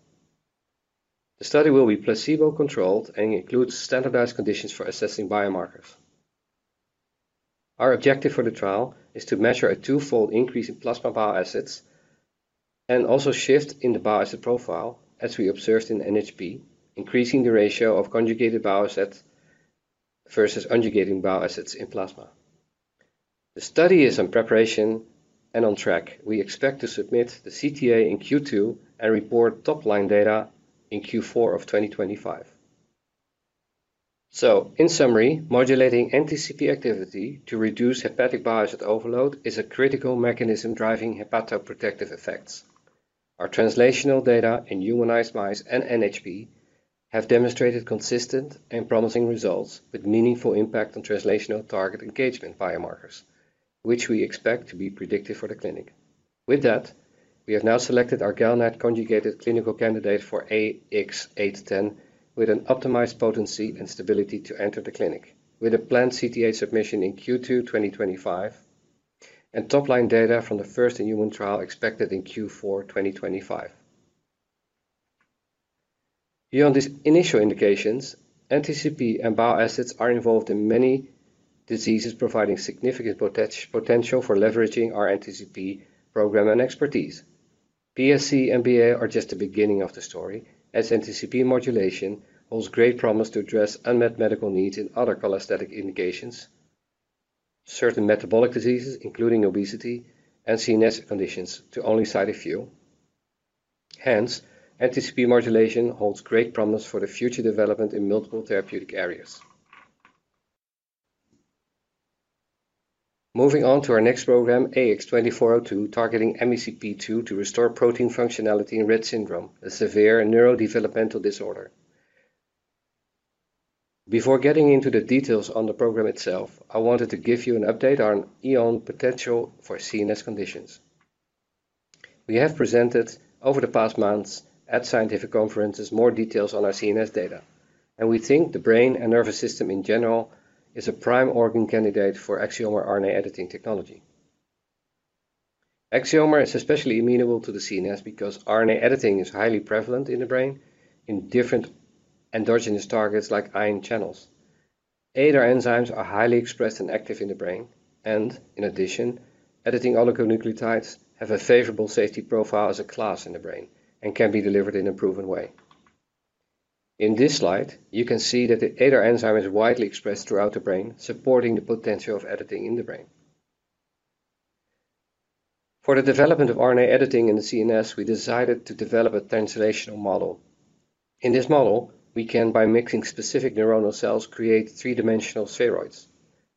The study will be placebo-controlled and includes standardized conditions for assessing biomarkers. Our objective for the trial is to measure a twofold increase in plasma bile acids and also shift in the bile acid profile, as we observed in NHP, increasing the ratio of conjugated bile acid versus conjugating bile acids in plasma. The study is in preparation and on track. We expect to submit the CTA in Q2 and report top-line data in Q4 of 2025. So, in summary, modulating NTCP activity to reduce hepatic bile acid overload is a critical mechanism driving hepatoprotective effects. Our translational data in humanized mice and NHP have demonstrated consistent and promising results with meaningful impact on translational target engagement biomarkers, which we expect to be predictive for the clinic. With that, we have now selected our GalNAc-conjugated clinical candidate for AX-0810 with an optimized potency and stability to enter the clinic, with a planned CTA submission in Q2 2025 and top-line data from the first in-human trial expected in Q4 2025. Beyond these initial indications, NTCP and bile acids are involved in many diseases providing significant potential for leveraging our NTCP program and expertise. PSC and BA are just the beginning of the story, as NTCP modulation holds great promise to address unmet medical needs in other cholestatic indications, certain metabolic diseases, including obesity and CNS conditions, to only cite a few. Hence, NTCP modulation holds great promise for the future development in multiple therapeutic areas. Moving on to our next program, AX-2402, targeting MECP2 to restore protein functionality in Rett Syndrome, a severe neurodevelopmental disorder. Before getting into the details on the program itself, I wanted to give you an update on EON potential for CNS conditions. We have presented over the past months at scientific conferences more details on our CNS data. We think the brain and nervous system in general is a prime organ candidate for Axiomer RNA editing technology. Axiomer is especially amenable to the CNS because RNA editing is highly prevalent in the brain in different endogenous targets like ion channels. ADAR enzymes are highly expressed and active in the brain. In addition, editing oligonucleotides have a favorable safety profile as a class in the brain and can be delivered in a proven way. In this slide, you can see that the ADAR enzyme is widely expressed throughout the brain, supporting the potential of editing in the brain. For the development of RNA editing in the CNS, we decided to develop a translational model. In this model, we can, by mixing specific neuronal cells, create three-dimensional spheroids.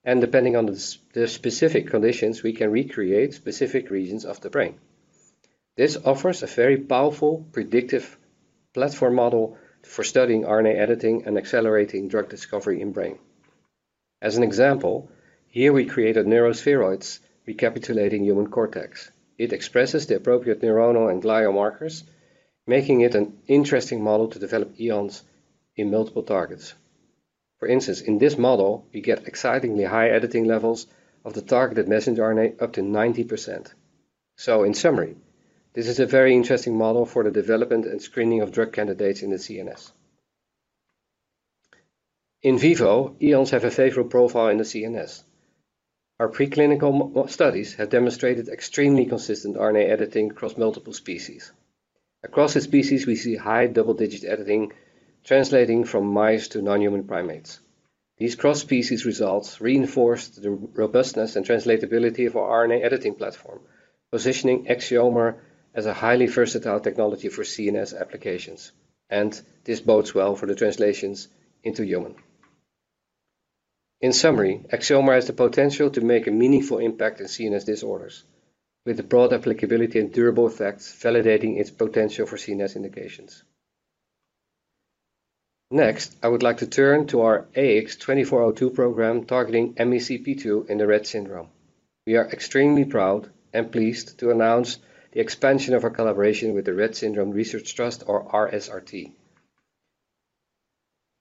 Depending on the specific conditions, we can recreate specific regions of the brain. This offers a very powerful predictive platform model for studying RNA editing and accelerating drug discovery in the brain. As an example, here we created neurospheroids recapitulating human cortex. It expresses the appropriate neuronal and glial markers, making it an interesting model to develop EONs in multiple targets. For instance, in this model, we get excitingly high editing levels of the targeted messenger RNA up to 90%. In summary, this is a very interesting model for the development and screening of drug candidates in the CNS. In vivo, EONs have a favorable profile in the CNS. Our preclinical studies have demonstrated extremely consistent RNA editing across multiple species. Across the species, we see high double-digit editing translating from mice to non-human primates. These cross-species results reinforce the robustness and translatability of our RNA editing platform, positioning Axiomer as a highly versatile technology for CNS applications, and this bodes well for the translations into human. In summary, Axiomer has the potential to make a meaningful impact in CNS disorders, with the broad applicability and durable effects validating its potential for CNS indications. Next, I would like to turn to our AX-2402 program targeting MECP2 in Rett Syndrome. We are extremely proud and pleased to announce the expansion of our collaboration with the Rett Syndrome Research Trust, or RSRT.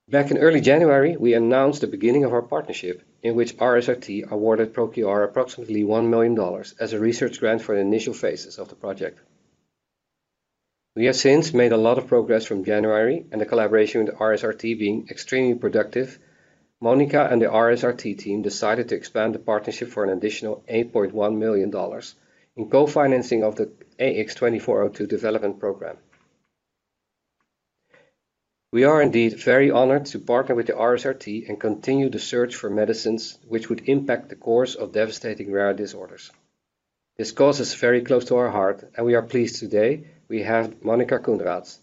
Back in early January, we announced the beginning of our partnership, in which RSRT awarded ProQR approximately $1 million as a research grant for the initial phases of the project. We have since made a lot of progress from January, and the collaboration with RSRT being extremely productive, Monica and the RSRT team decided to expand the partnership for an additional $8.1 million in co-financing of the AX-2402 development program. We are indeed very honored to partner with the RSRT and continue the search for medicines which would impact the course of devastating rare disorders. This cause is very close to our heart, and we are pleased today we have Monica Coenraads,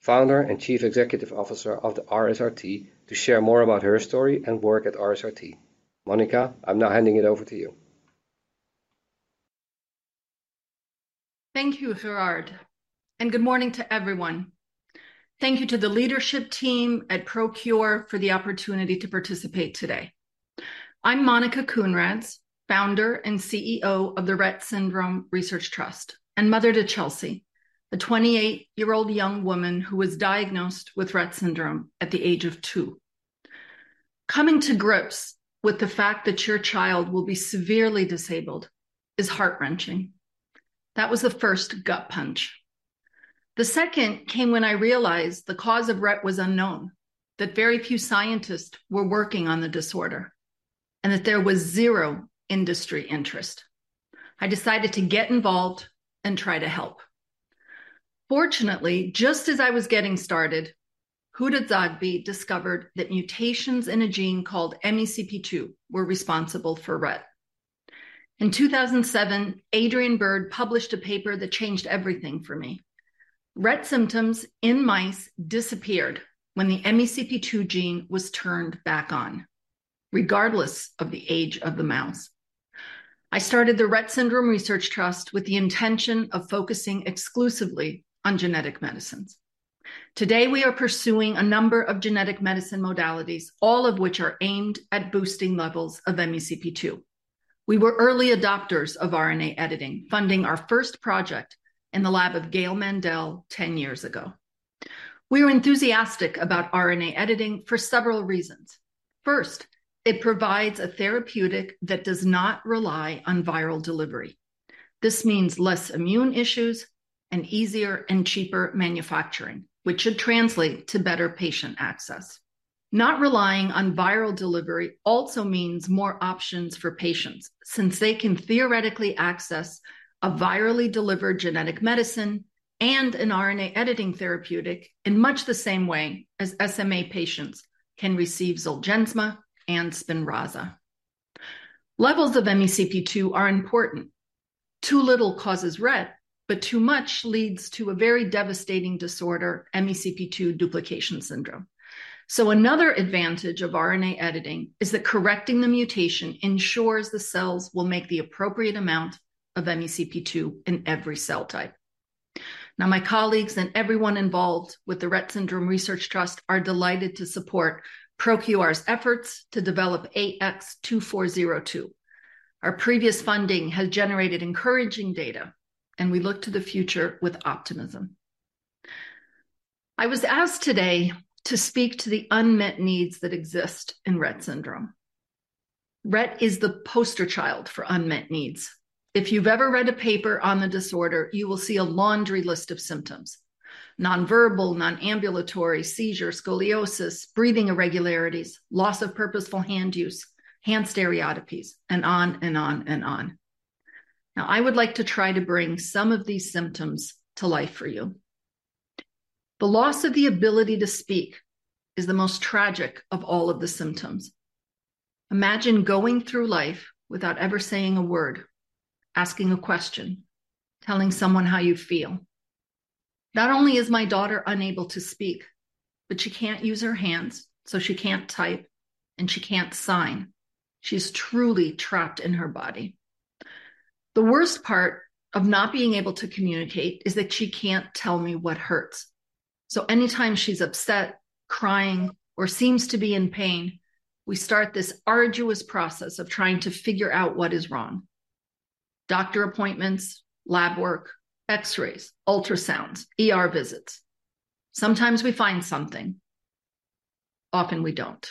Founder and Chief Executive Officer of the RSRT, to share more about her story and work at RSRT. Monica, I'm now handing it over to you. Thank you, Gerard. Good morning to everyone. Thank you to the leadership team at ProQR for the opportunity to participate today. I'm Monica Coenraads, Founder and CEO of the Rett Syndrome Research Trust, and mother to Chelsea, a 28-year-old young woman who was diagnosed with Rett Syndrome at the age of two. Coming to grips with the fact that your child will be severely disabled is heart-wrenching. That was the first gut punch. The second came when I realized the cause of Rett was unknown, that very few scientists were working on the disorder, and that there was zero industry interest. I decided to get involved and try to help. Fortunately, just as I was getting started, Huda Zoghbi discovered that mutations in a gene called MECP2 were responsible for Rett. In 2007, Adrian Bird published a paper that changed everything for me. Rett symptoms in mice disappeared when the MECP2 gene was turned back on, regardless of the age of the mouse. I started the Rett Syndrome Research Trust with the intention of focusing exclusively on genetic medicines. Today, we are pursuing a number of genetic medicine modalities, all of which are aimed at boosting levels of MECP2. We were early adopters of RNA editing, funding our first project in the lab of Gail Mandel 10 years ago. We were enthusiastic about RNA editing for several reasons. First, it provides a therapeutic that does not rely on viral delivery. This means less immune issues and easier and cheaper manufacturing, which should translate to better patient access. Not relying on viral delivery also means more options for patients, since they can theoretically access a virally delivered genetic medicine and an RNA editing therapeutic in much the same way as SMA patients can receive ZOLGENSMA and SPINRAZA. Levels of MECP2 are important. Too little causes Rett, but too much leads to a very devastating disorder, MECP2 duplication syndrome. So another advantage of RNA editing is that correcting the mutation ensures the cells will make the appropriate amount of MECP2 in every cell type. Now, my colleagues and everyone involved with the Rett Syndrome Research Trust are delighted to support ProQR's efforts to develop AX-2402. Our previous funding has generated encouraging data, and we look to the future with optimism. I was asked today to speak to the unmet needs that exist in Rett Syndrome. Rett is the poster child for unmet needs. If you've ever read a paper on the disorder, you will see a laundry list of symptoms: nonverbal, nonambulatory, seizures, scoliosis, breathing irregularities, loss of purposeful hand use, hand stereotypies, and on and on and on. Now, I would like to try to bring some of these symptoms to life for you. The loss of the ability to speak is the most tragic of all of the symptoms. Imagine going through life without ever saying a word, asking a question, telling someone how you feel. Not only is my daughter unable to speak, but she can't use her hands, so she can't type, and she can't sign. She's truly trapped in her body. The worst part of not being able to communicate is that she can't tell me what hurts. So anytime she's upset, crying, or seems to be in pain, we start this arduous process of trying to figure out what is wrong: doctor appointments, lab work, X-rays, ultrasounds, visits. Sometimes we find something. Often we don't.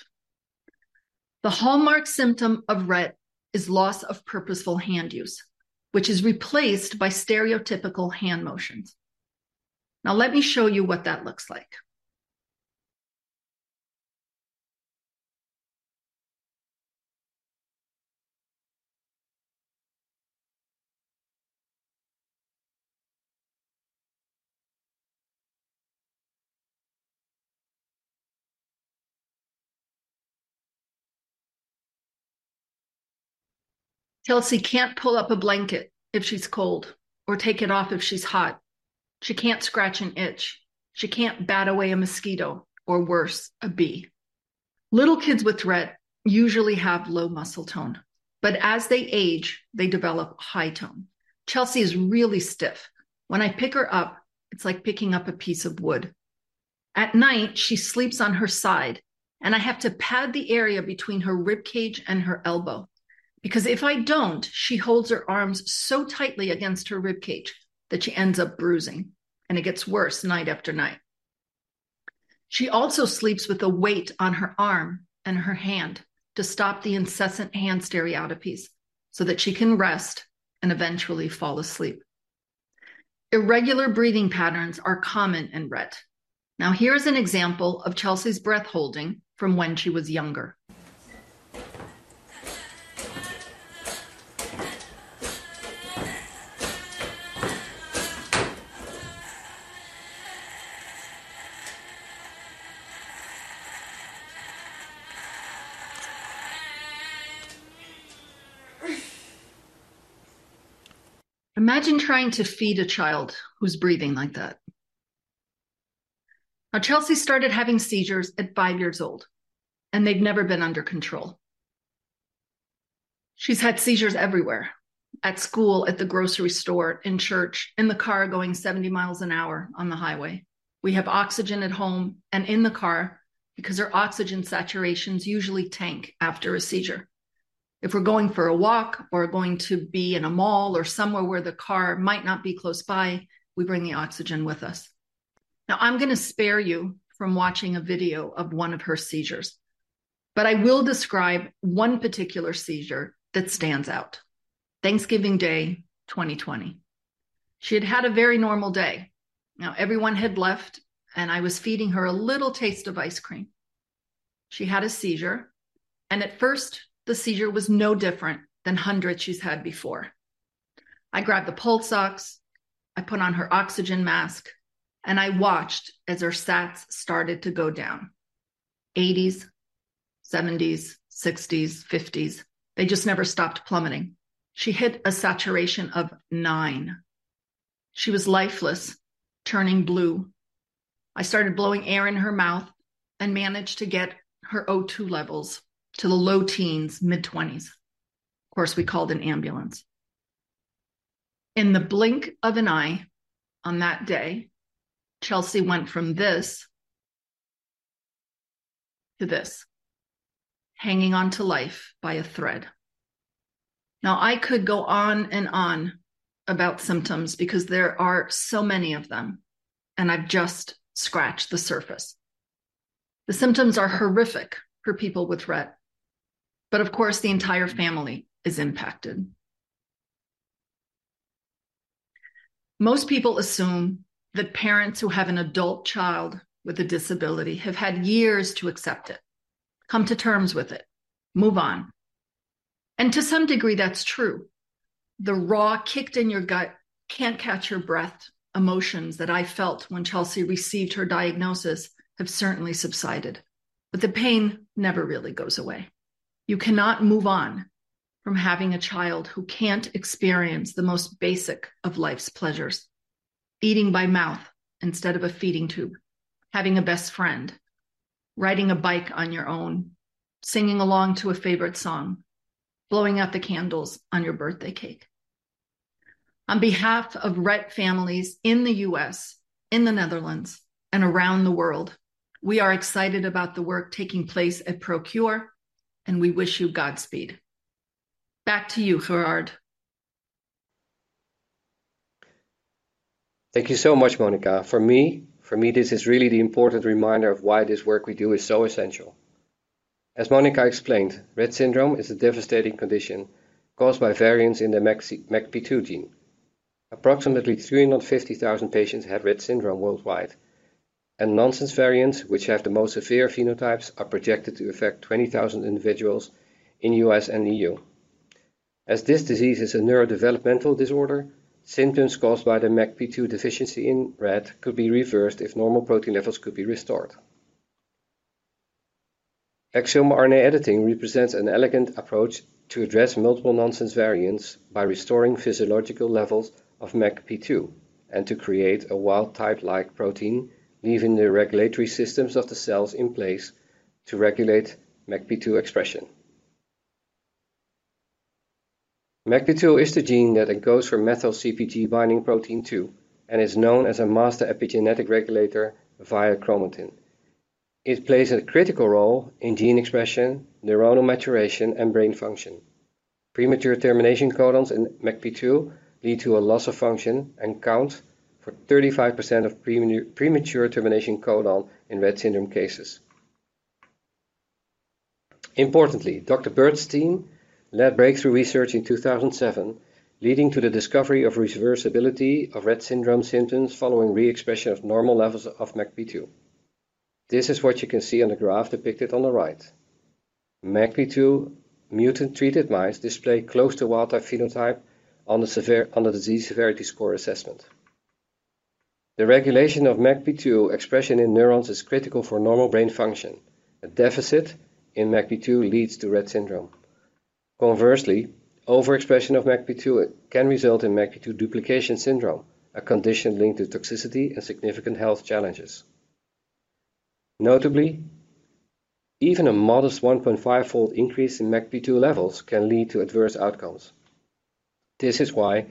The hallmark symptom of Rett is loss of purposeful hand use, which is replaced by stereotypical hand motions. Now, let me show you what that looks like. Chelsea can't pull up a blanket if she's cold or take it off if she's hot. She can't scratch an itch. She can't bat away a mosquito or, worse, a bee. Little kids with Rett usually have low muscle tone. But as they age, they develop high tone. Chelsea is really stiff. When I pick her up, it's like picking up a piece of wood. At night, she sleeps on her side, and I have to pad the area between her rib cage and her elbow. Because if I don't, she holds her arms so tightly against her rib cage that she ends up bruising. And it gets worse night after night. She also sleeps with a weight on her arm and her hand to stop the incessant hand stereotypies so that she can rest and eventually fall asleep. Irregular breathing patterns are common in Rett. Now, here's an example of Chelsea's breath holding from when she was younger. Imagine trying to feed a child who's breathing like that. Now, Chelsea started having seizures at five years old, and they've never been under control. She's had seizures everywhere: at school, at the grocery store, in church, in the car going 70 mph on the highway. We have oxygen at home and in the car because her oxygen saturations usually tank after a seizure. If we're going for a walk or going to be in a mall or somewhere where the car might not be close by, we bring the oxygen with us. Now, I'm going to spare you from watching a video of one of her seizures. But I will describe one particular seizure that stands out: Thanksgiving Day, 2020. She had had a very normal day. Now, everyone had left, and I was feeding her a little taste of ice cream. She had a seizure. And at first, the seizure was no different than hundreds she's had before. I grabbed the pulse ox. I put on her oxygen mask, and I watched as her stats started to go down: 80s, 70s, 60s, 50s. They just never stopped plummeting. She hit a saturation of nine. She was lifeless, turning blue. I started blowing air in her mouth and managed to get her O2 levels to the low teens, mid-20s. Of course, we called an ambulance. In the blink of an eye on that day, Chelsea went from this to this, hanging on to life by a thread. Now, I could go on and on about symptoms because there are so many of them, and I've just scratched the surface. The symptoms are horrific for people with Rett, but of course, the entire family is impacted. Most people assume that parents who have an adult child with a disability have had years to accept it, come to terms with it, move on, and to some degree, that's true. The raw, kicked-in-your-gut, can't-catch-your-breath emotions that I felt when Chelsea received her diagnosis have certainly subsided, but the pain never really goes away. You cannot move on from having a child who can't experience the most basic of life's pleasures: eating by mouth instead of a feeding tube, having a best friend, riding a bike on your own, singing along to a favorite song, blowing out the candles on your birthday cake. On behalf of Rett families in the U.S., in the Netherlands, and around the world, we are excited about the work taking place at ProQR, and we wish you godspeed. Back to you, Gerard. Thank you so much, Monica. For me, this is really the important reminder of why this work we do is so essential. As Monica explained, Rett Syndrome is a devastating condition caused by variants in the MECP2 gene. Approximately 350,000 patients have Rett Syndrome worldwide, and nonsense variants, which have the most severe phenotypes, are projected to affect 20,000 individuals in the U.S. and E.U. As this disease is a neurodevelopmental disorder, symptoms caused by the MECP2 deficiency in Rett could be reversed if normal protein levels could be restored. Axiomer RNA editing represents an elegant approach to address multiple nonsense variants by restoring physiological levels of MECP2 and to create a wild type-like protein, leaving the regulatory systems of the cells in place to regulate MECP2 expression. MECP2 is the gene that encodes for Methyl-CpG binding protein 2 and is known as a master epigenetic regulator via chromatin. It plays a critical role in gene expression, neuronal maturation, and brain function. Premature termination codons in MECP2 lead to a loss of function and account for 35% of premature termination codon in Rett Syndrome cases. Importantly, Dr. Bird's team led breakthrough research in 2007, leading to the discovery of reversibility of Rett Syndrome symptoms following re-expression of normal levels of MECP2. This is what you can see on the graph depicted on the right. MECP2 mutant-treated mice display close to wild-type phenotype on the disease severity score assessment. The regulation of MECP2 expression in neurons is critical for normal brain function. A deficit in MECP2 leads to Rett Syndrome. Conversely, overexpression of MECP2 can result in MECP2 duplication syndrome, a condition linked to toxicity and significant health challenges. Notably, even a modest 1.5-fold increase in MECP2 levels can lead to adverse outcomes. This is why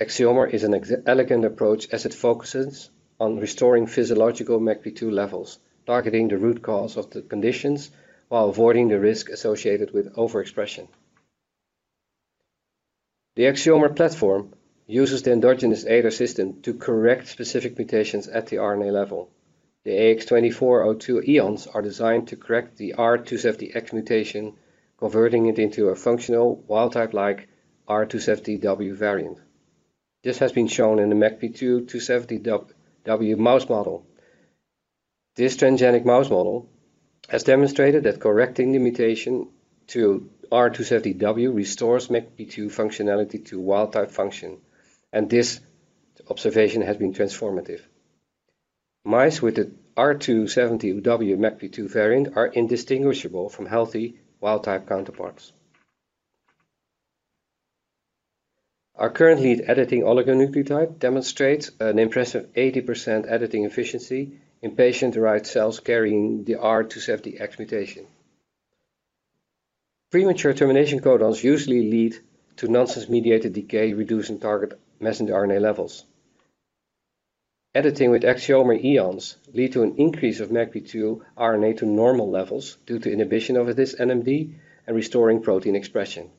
Axiomer is an elegant approach as it focuses on restoring physiological MECP2 levels, targeting the root cause of the conditions while avoiding the risk associated with overexpression. The Axiomer platform uses the endogenous ADAR system to correct specific mutations at the RNA level. The AX-2402 EONs are designed to correct the R270X mutation, converting it into a functional wild-type-like R270W variant. This has been shown in the MECP2 R270W mouse model. This transgenic mouse model has demonstrated that correcting the mutation to R270W restores MECP2 functionality to wild-type function, and this observation has been transformative. Mice with the R270W MECP2 variant are indistinguishable from healthy wild-type counterparts. Our current lead editing oligonucleotide demonstrates an impressive 80% editing efficiency in patient-derived cells carrying the R270X mutation. Premature termination codons usually lead to nonsense-mediated decay, reducing target messenger RNA levels. Editing with Axiomer EONs leads to an increase of MECP2 RNA to normal levels due to inhibition of this NMD and restoring protein expression.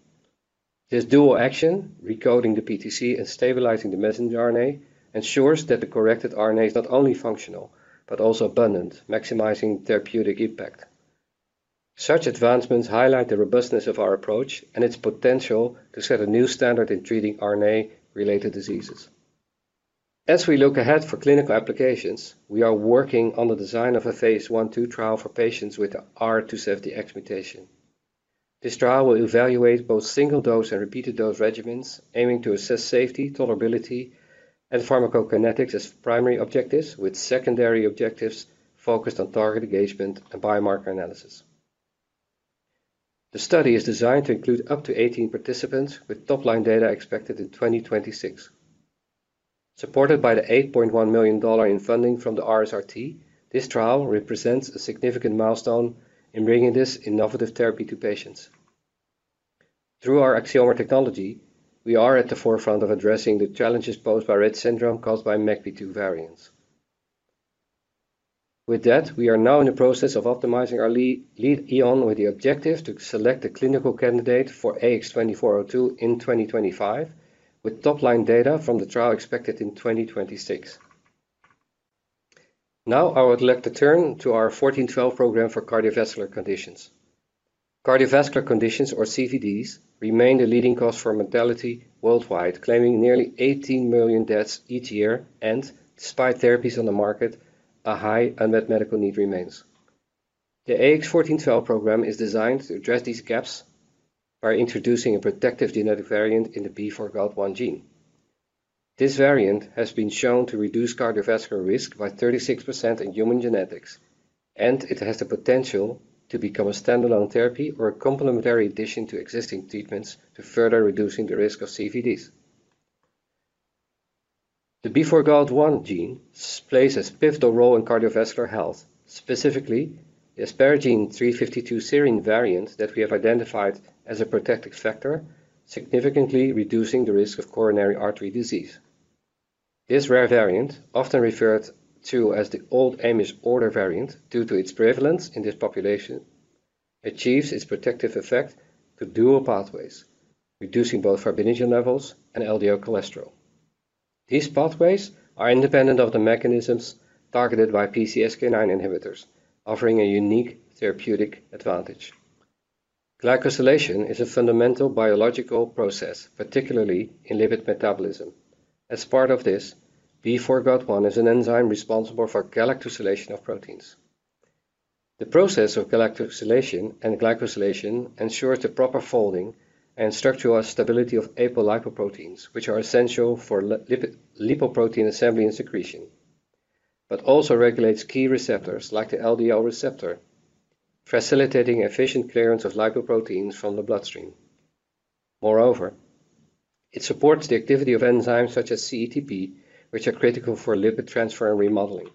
This dual action, recoding the PTC and stabilizing the messenger RNA, ensures that the corrected RNA is not only functional but also abundant, maximizing therapeutic impact. Such advancements highlight the robustness of our approach and its potential to set a new standard in treating RNA-related diseases. As we look ahead for clinical applications, we are working on the design of a phase I-II trial for patients with the R270X mutation. This trial will evaluate both single-dose and repeated-dose regimens, aiming to assess safety, tolerability, and pharmacokinetics as primary objectives, with secondary objectives focused on target engagement and biomarker analysis. The study is designed to include up to 18 participants, with top-line data expected in 2026. Supported by the $8.1 million in funding from the RSRT, this trial represents a significant milestone in bringing this innovative therapy to patients. Through our Axiomer technology, we are at the forefront of addressing the challenges posed by Rett Syndrome caused by MECP2 variants. With that, we are now in the process of optimizing our lead EON with the objective to select a clinical candidate for AX-2402 in 2025, with top-line data from the trial expected in 2026. Now, I would like to turn to our 1412 program for cardiovascular conditions. Cardiovascular conditions, or CVDs, remain the leading cause for mortality worldwide, claiming nearly 18 million deaths each year, and despite therapies on the market, a high unmet medical need remains. The AX-1412 program is designed to address these gaps by introducing a protective genetic variant in the B4GALT1 gene. This variant has been shown to reduce cardiovascular risk by 36% in human genetics, and it has the potential to become a standalone therapy or a complementary addition to existing treatments to further reduce the risk of CVDs. The B4GALT1 gene plays a pivotal role in cardiovascular health, specifically the asparagine 352 serine variant that we have identified as a protective factor, significantly reducing the risk of coronary artery disease. This rare variant, often referred to as the old Amish order variant due to its prevalence in this population, achieves its protective effect through dual pathways, reducing both fibrinogen levels and LDL cholesterol. These pathways are independent of the mechanisms targeted by PCSK9 inhibitors, offering a unique therapeutic advantage. Glycosylation is a fundamental biological process, particularly in lipid metabolism. As part of this, B4GALT1 is an enzyme responsible for glycosylation of proteins. The process of glycosylation ensures the proper folding and structural stability of apolipoproteins, which are essential for lipoprotein assembly and secretion, but also regulates key receptors like the LDL receptor, facilitating efficient clearance of lipoproteins from the bloodstream. Moreover, it supports the activity of enzymes such as CETP, which are critical for lipid transfer and remodeling.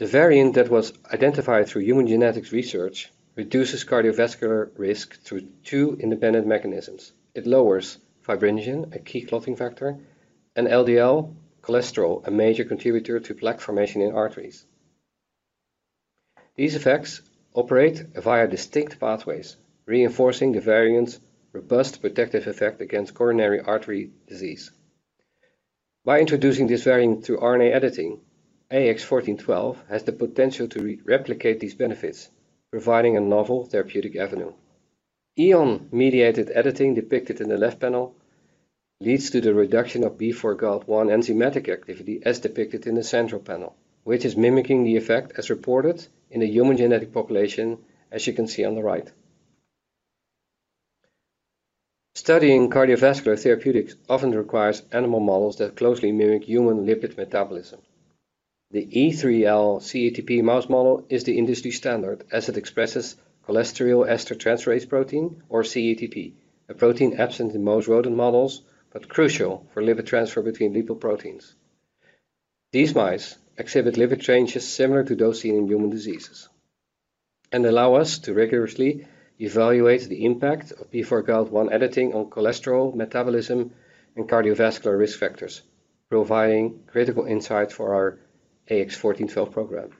The variant that was identified through human genetics research reduces cardiovascular risk through two independent mechanisms. It lowers fibrinogen, a key clotting factor, and LDL cholesterol, a major contributor to plaque formation in arteries. These effects operate via distinct pathways, reinforcing the variant's robust protective effect against coronary artery disease. By introducing this variant through RNA editing, AX-1412 has the potential to replicate these benefits, providing a novel therapeutic avenue. Ion-mediated editing depicted in the left panel leads to the reduction of B4GALT1 enzymatic activity, as depicted in the central panel, which is mimicking the effect as reported in the human genetic population, as you can see on the right. Studying cardiovascular therapeutics often requires animal models that closely mimic human lipid metabolism. The E3L-CETP mouse model is the industry standard, as it expresses cholesterol ester transferase protein, or CETP, a protein absent in most rodent models but crucial for lipid transfer between lipoproteins. These mice exhibit lipid changes similar to those seen in human diseases and allow us to rigorously evaluate the impact of B4GALT1 editing on cholesterol metabolism and cardiovascular risk factors, providing critical insights for our AX-1412 program.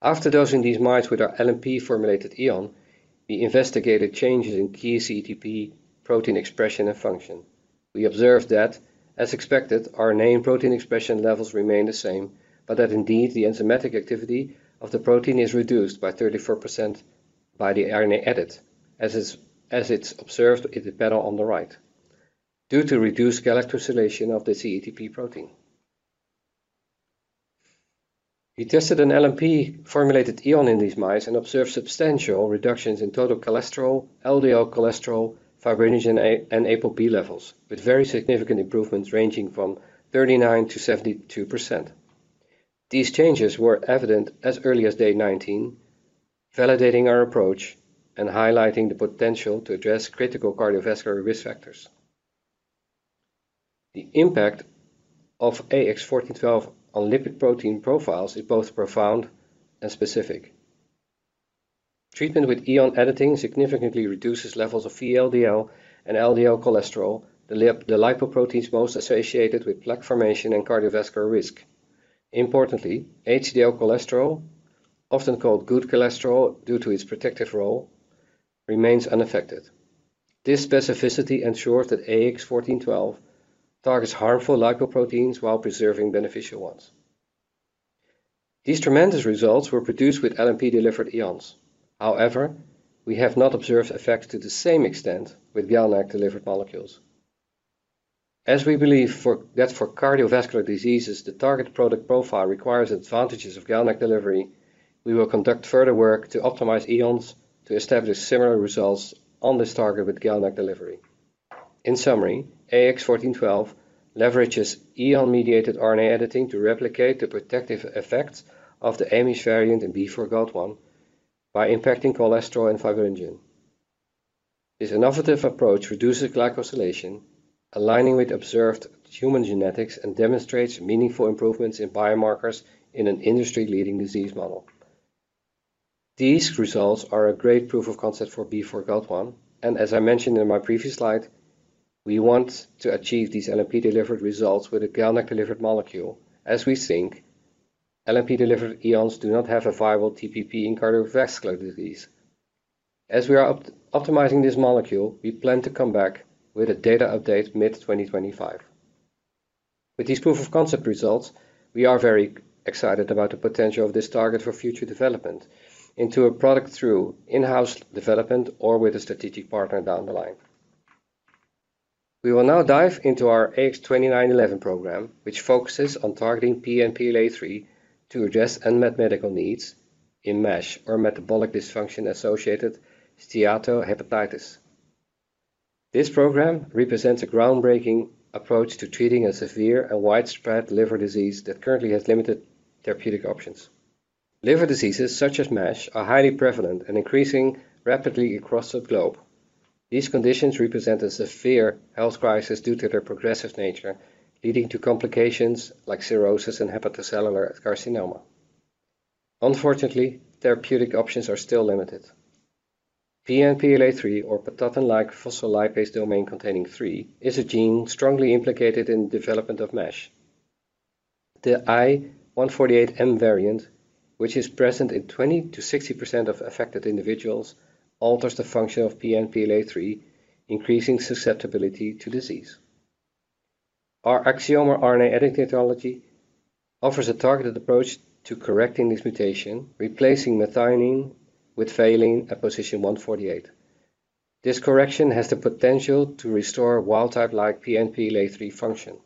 After dosing these mice with our LNP-formulated EON, we investigated changes in key CETP protein expression and function. We observed that, as expected, RNA and protein expression levels remain the same, but that indeed the enzymatic activity of the protein is reduced by 34% by the RNA edit, as it's observed in the panel on the right, due to reduced glycosylation of the CETP protein. We tested an LNP-formulated EON in these mice and observed substantial reductions in total cholesterol, LDL cholesterol, fibrinogen, and apolipoprotein levels, with very significant improvements ranging from 39%-72%. These changes were evident as early as day 19, validating our approach and highlighting the potential to address critical cardiovascular risk factors. The impact of AX-1412 on lipoprotein profiles is both profound and specific. Treatment with EON editing significantly reduces levels of VLDL and LDL cholesterol, the lipoproteins most associated with plaque formation and cardiovascular risk. Importantly, HDL cholesterol, often called good cholesterol due to its protective role, remains unaffected. This specificity ensures that AX-1412 targets harmful lipoproteins while preserving beneficial ones. These tremendous results were produced with LNP-delivered EONs. However, we have not observed effects to the same extent with GalNAc-delivered molecules. As we believe that for cardiovascular diseases, the target product profile requires advantages of GalNAc delivery, we will conduct further work to optimize EONs to establish similar results on this target with GalNAc delivery. In summary, AX-1412 leverages ADAR-mediated RNA editing to replicate the protective effects of the Amish variant in B4GALT1 by impacting cholesterol and fibrinogen. This innovative approach reduces glycosylation, aligning with observed human genetics, and demonstrates meaningful improvements in biomarkers in an industry-leading disease model. These results are a great proof of concept for B4GALT1. And as I mentioned in my previous slide, we want to achieve these LNP-delivered results with a GalNAc-delivered molecule, as we think LNP-delivered EONs do not have a viable TPP in cardiovascular disease. As we are optimizing this molecule, we plan to come back with a data update mid-2025. With these proof of concept results, we are very excited about the potential of this target for future development into a product through in-house development or with a strategic partner down the line. We will now dive into our AX-2911 program, which focuses on targeting PNPLA3 to address unmet medical needs in MASH or metabolic dysfunction-associated steatohepatitis. This program represents a groundbreaking approach to treating a severe and widespread liver disease that currently has limited therapeutic options. Liver diseases such as MASH are highly prevalent and increasing rapidly across the globe. These conditions represent a severe health crisis due to their progressive nature, leading to complications like cirrhosis and hepatocellular carcinoma. Unfortunately, therapeutic options are still limited. PNPLA3, or patatin-like phospholipase domain-containing protein 3, is a gene strongly implicated in the development of MASH. The I148M variant, which is present in 20% to 60% of affected individuals, alters the function of PNPLA3, increasing susceptibility to disease. Our Axiomer RNA editing technology offers a targeted approach to correcting this mutation, replacing methionine with valine at position 148. This correction has the potential to restore wild-type-like PNPLA3 function.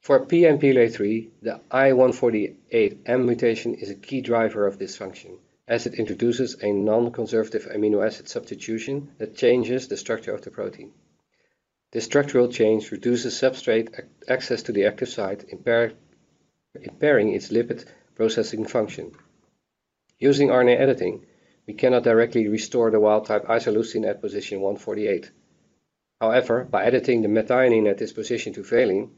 For PNPLA3, the I148M mutation is a key driver of this function, as it introduces a non-conservative amino acid substitution that changes the structure of the protein. This structural change reduces substrate access to the active site, impairing its lipid processing function. Using RNA editing, we cannot directly restore the wild-type isoleucine at position 148. However, by editing the methionine at this position to valine,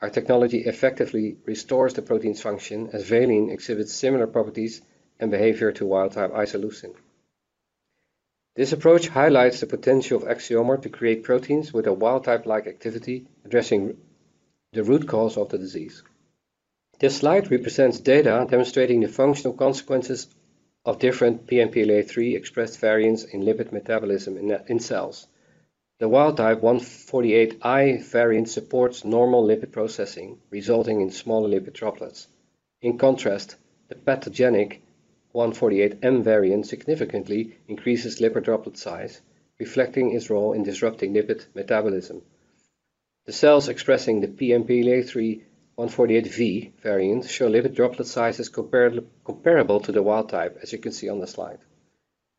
our technology effectively restores the protein's function, as valine exhibits similar properties and behavior to wild-type isoleucine. This approach highlights the potential of Axiomer to create proteins with a wild-type-like activity, addressing the root cause of the disease. This slide represents data demonstrating the functional consequences of different PNPLA3-expressed variants in lipid metabolism in cells. The wild-type 148I variant supports normal lipid processing, resulting in smaller lipid droplets. In contrast, the pathogenic 148M variant significantly increases lipid droplet size, reflecting its role in disrupting lipid metabolism. The cells expressing the PNPLA3-148V variant show lipid droplet sizes comparable to the wild-type, as you can see on the slide.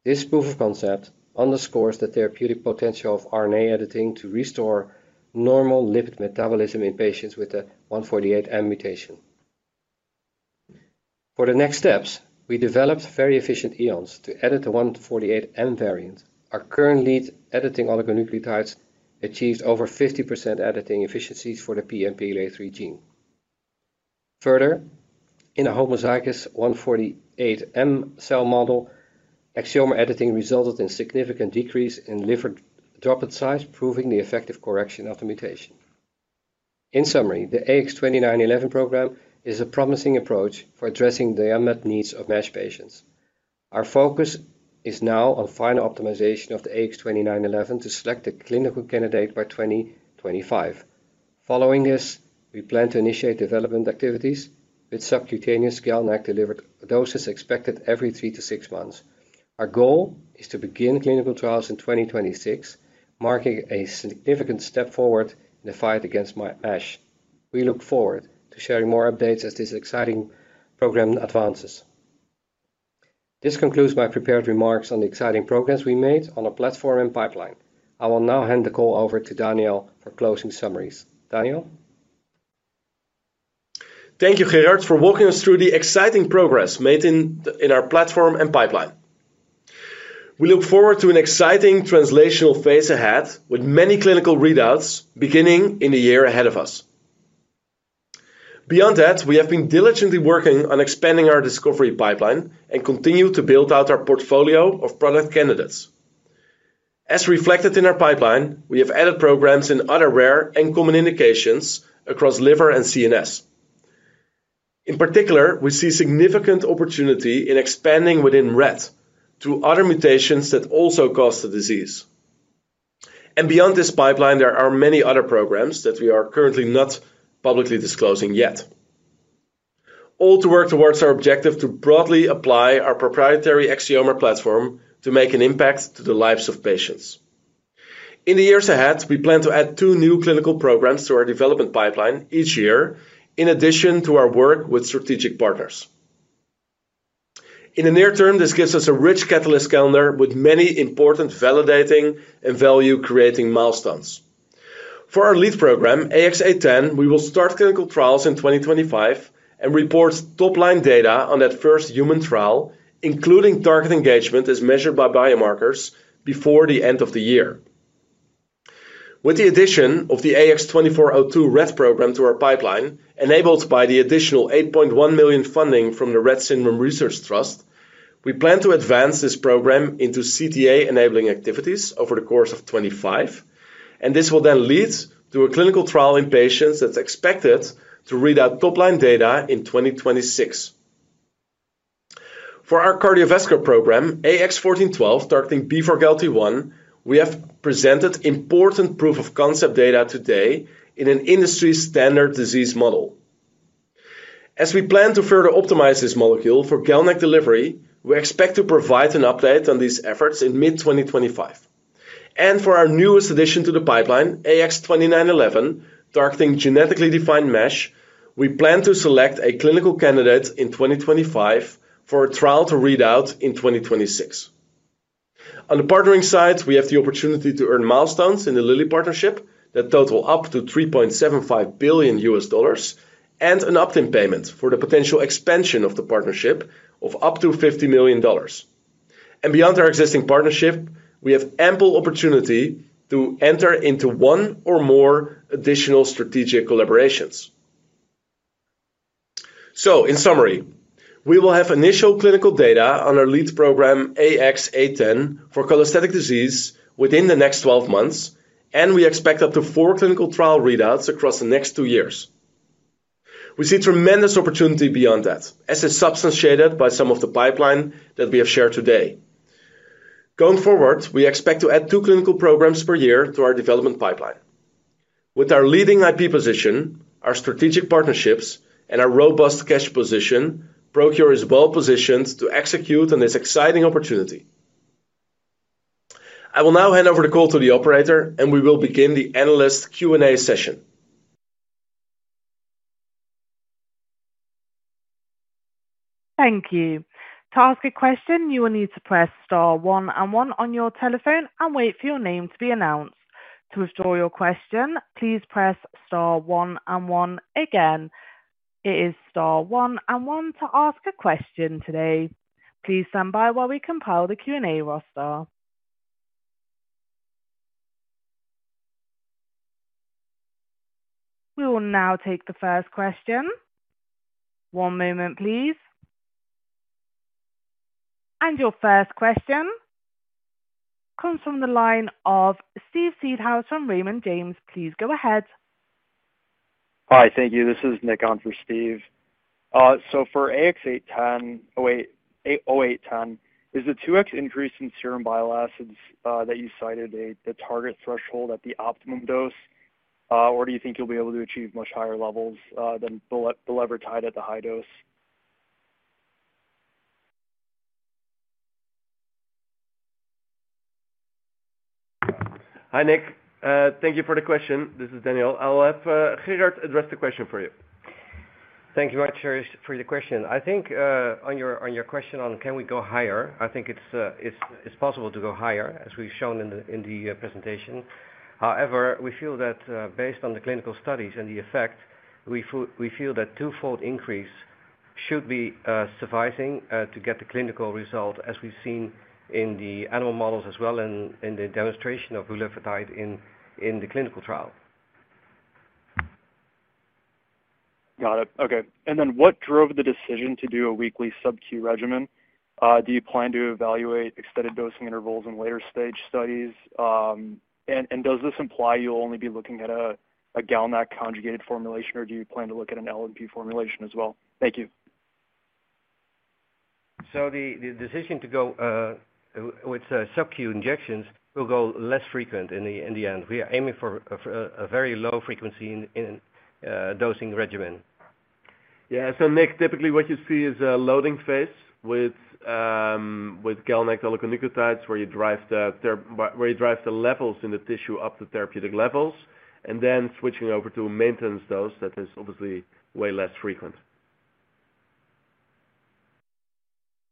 This proof of concept underscores the therapeutic potential of RNA editing to restore normal lipid metabolism in patients with the 148M mutation. For the next steps, we developed very efficient EONs to edit the 148M variant. Our current lead editing oligonucleotides achieved over 50% editing efficiencies for the PNPLA3 gene. Further, in a homozygous 148M cell model, Axiomer editing resulted in a significant decrease in lipid droplet size, proving the effective correction of the mutation. In summary, the AX-2911 program is a promising approach for addressing the unmet needs of MASH patients. Our focus is now on final optimization of the AX-2911 to select a clinical candidate by 2025. Following this, we plan to initiate development activities with subcutaneous GalNAc-delivered doses expected every three to six months. Our goal is to begin clinical trials in 2026, marking a significant step forward in the fight against MASH. We look forward to sharing more updates as this exciting program advances. This concludes my prepared remarks on the exciting progress we made on our platform and pipeline. I will now hand the call over to Daniel for closing summaries. Daniel? Thank you, Gerard, for walking us through the exciting progress made in our platform and pipeline. We look forward to an exciting translational phase ahead with many clinical readouts beginning in the year ahead of us. Beyond that, we have been diligently working on expanding our discovery pipeline and continue to build out our portfolio of product candidates. As reflected in our pipeline, we have added programs in other rare and common indications across liver and CNS. In particular, we see significant opportunity in expanding within Rett through other mutations that also cause the disease, and beyond this pipeline, there are many other programs that we are currently not publicly disclosing yet, all to work towards our objective to broadly apply our proprietary Axiomer platform to make an impact on the lives of patients. In the years ahead, we plan to add two new clinical programs to our development pipeline each year, in addition to our work with strategic partners. In the near term, this gives us a rich catalyst calendar with many important validating and value-creating milestones. For our lead program, AX-0810, we will start clinical trials in 2025 and report top-line data on that first human trial, including target engagement as measured by biomarkers before the end of the year. With the addition of the AX-2402 Rett program to our pipeline, enabled by the additional $8.1 million funding from the Rett Syndrome Research Trust, we plan to advance this program into CTA-enabling activities over the course of 2025, and this will then lead to a clinical trial in patients that's expected to read out top-line data in 2026. For our cardiovascular program, AX-1412, targeting B4GALT1, we have presented important proof of concept data today in an industry-standard disease model. As we plan to further optimize this molecule for GalNAc delivery, we expect to provide an update on these efforts in mid-2025. And for our newest addition to the pipeline, AX-2911, targeting genetically defined MASH, we plan to select a clinical candidate in 2025 for a trial to read out in 2026. On the partnering side, we have the opportunity to earn milestones in the Lilly partnership that total up to $3.75 billion and an opt-in payment for the potential expansion of the partnership of up to $50 million. And beyond our existing partnership, we have ample opportunity to enter into one or more additional strategic collaborations. So, in summary, we will have initial clinical data on our lead program, AX-0810, for cholestatic disease within the next 12 months, and we expect up to four clinical trial readouts across the next two years. We see tremendous opportunity beyond that, as it's substantiated by some of the pipeline that we have shared today. Going forward, we expect to add two clinical programs per year to our development pipeline. With our leading IP position, our strategic partnerships, and our robust cash position, ProQR is well positioned to execute on this exciting opportunity. I will now hand over the call to the operator, and we will begin the analyst Q&A session. Thank you. To ask a question, you will need to press star one and one on your telephone and wait for your name to be announced. To withdraw your question, please press star one and one again. It is star one and one to ask a question today. Please stand by while we compile the Q&A roster. We will now take the first question. One moment, please. And your first question comes from the line of Steve Seedhouse from Raymond James. Please go ahead. Hi, thank you. This is Nick on for Steve. So for AX-0810, is the 2x increase in serum bile acids that you cited the target threshold at the optimum dose, or do you think you'll be able to achieve much higher levels than the level attained at the high dose? Hi, Nick. Thank you for the question. This is Daniel. I'll have Gerard address the question for you. Thank you very much for the question. I think on your question on can we go higher, I think it's possible to go higher, as we've shown in the presentation. However, we feel that based on the clinical studies and the effect, we feel that twofold increase should be sufficient to get the clinical result as we've seen in the animal models as well and in the demonstration of bulevirtide in the clinical trial. Got it. Okay. And then what drove the decision to do a weekly Sub-Q regimen? Do you plan to evaluate extended dosing intervals in later stage studies? And does this imply you'll only be looking at a GalNAc-conjugated formulation, or do you plan to look at an LNP formulation as well? Thank you. So the decision to go with Sub-Q injections will go less frequent in the end. We are aiming for a very low-frequency dosing regimen. Yeah. So, Nick, typically what you see is a loading phase with GalNAc oligonucleotides where you drive the levels in the tissue up to therapeutic levels, and then switching over to a maintenance dose that is obviously way less frequent.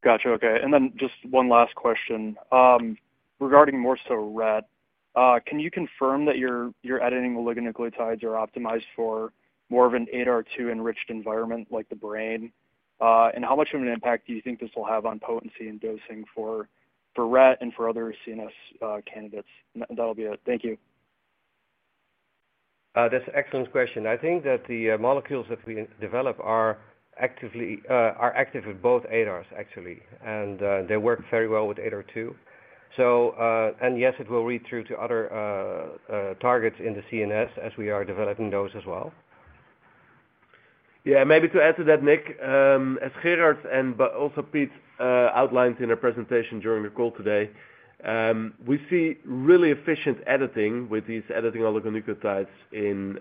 Gotcha. Okay. And then just one last question. Regarding more so Rett, can you confirm that your editing oligonucleotides are optimized for more of an ADAR2-enriched environment like the brain? And how much of an impact do you think this will have on potency and dosing for Rett and for other CNS candidates? That'll be it. Thank you. That's an excellent question. I think that the molecules that we develop are active at both ADARs, actually, and they work very well with ADAR2. And yes, it will read through to other targets in the CNS as we are developing those as well. Yeah. Maybe to add to that, Nick, as Gerard and also Pete outlined in their presentation during the call today, we see really efficient editing with these editing oligonucleotides in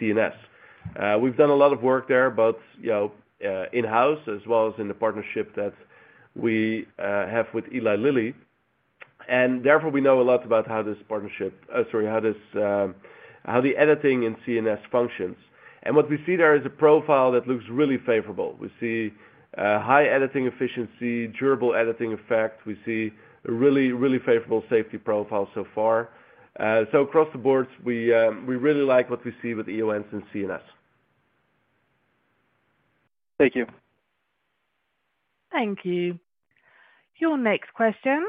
CNS. We've done a lot of work there, both in-house as well as in the partnership that we have with Eli Lilly. And therefore, we know a lot about how this partnership, sorry, how the editing in CNS functions. And what we see there is a profile that looks really favorable. We see high editing efficiency, durable editing effect. We see a really, really favorable safety profile so far. So across the boards, we really like what we see with EONs in CNS. Thank you. Thank you. Your next question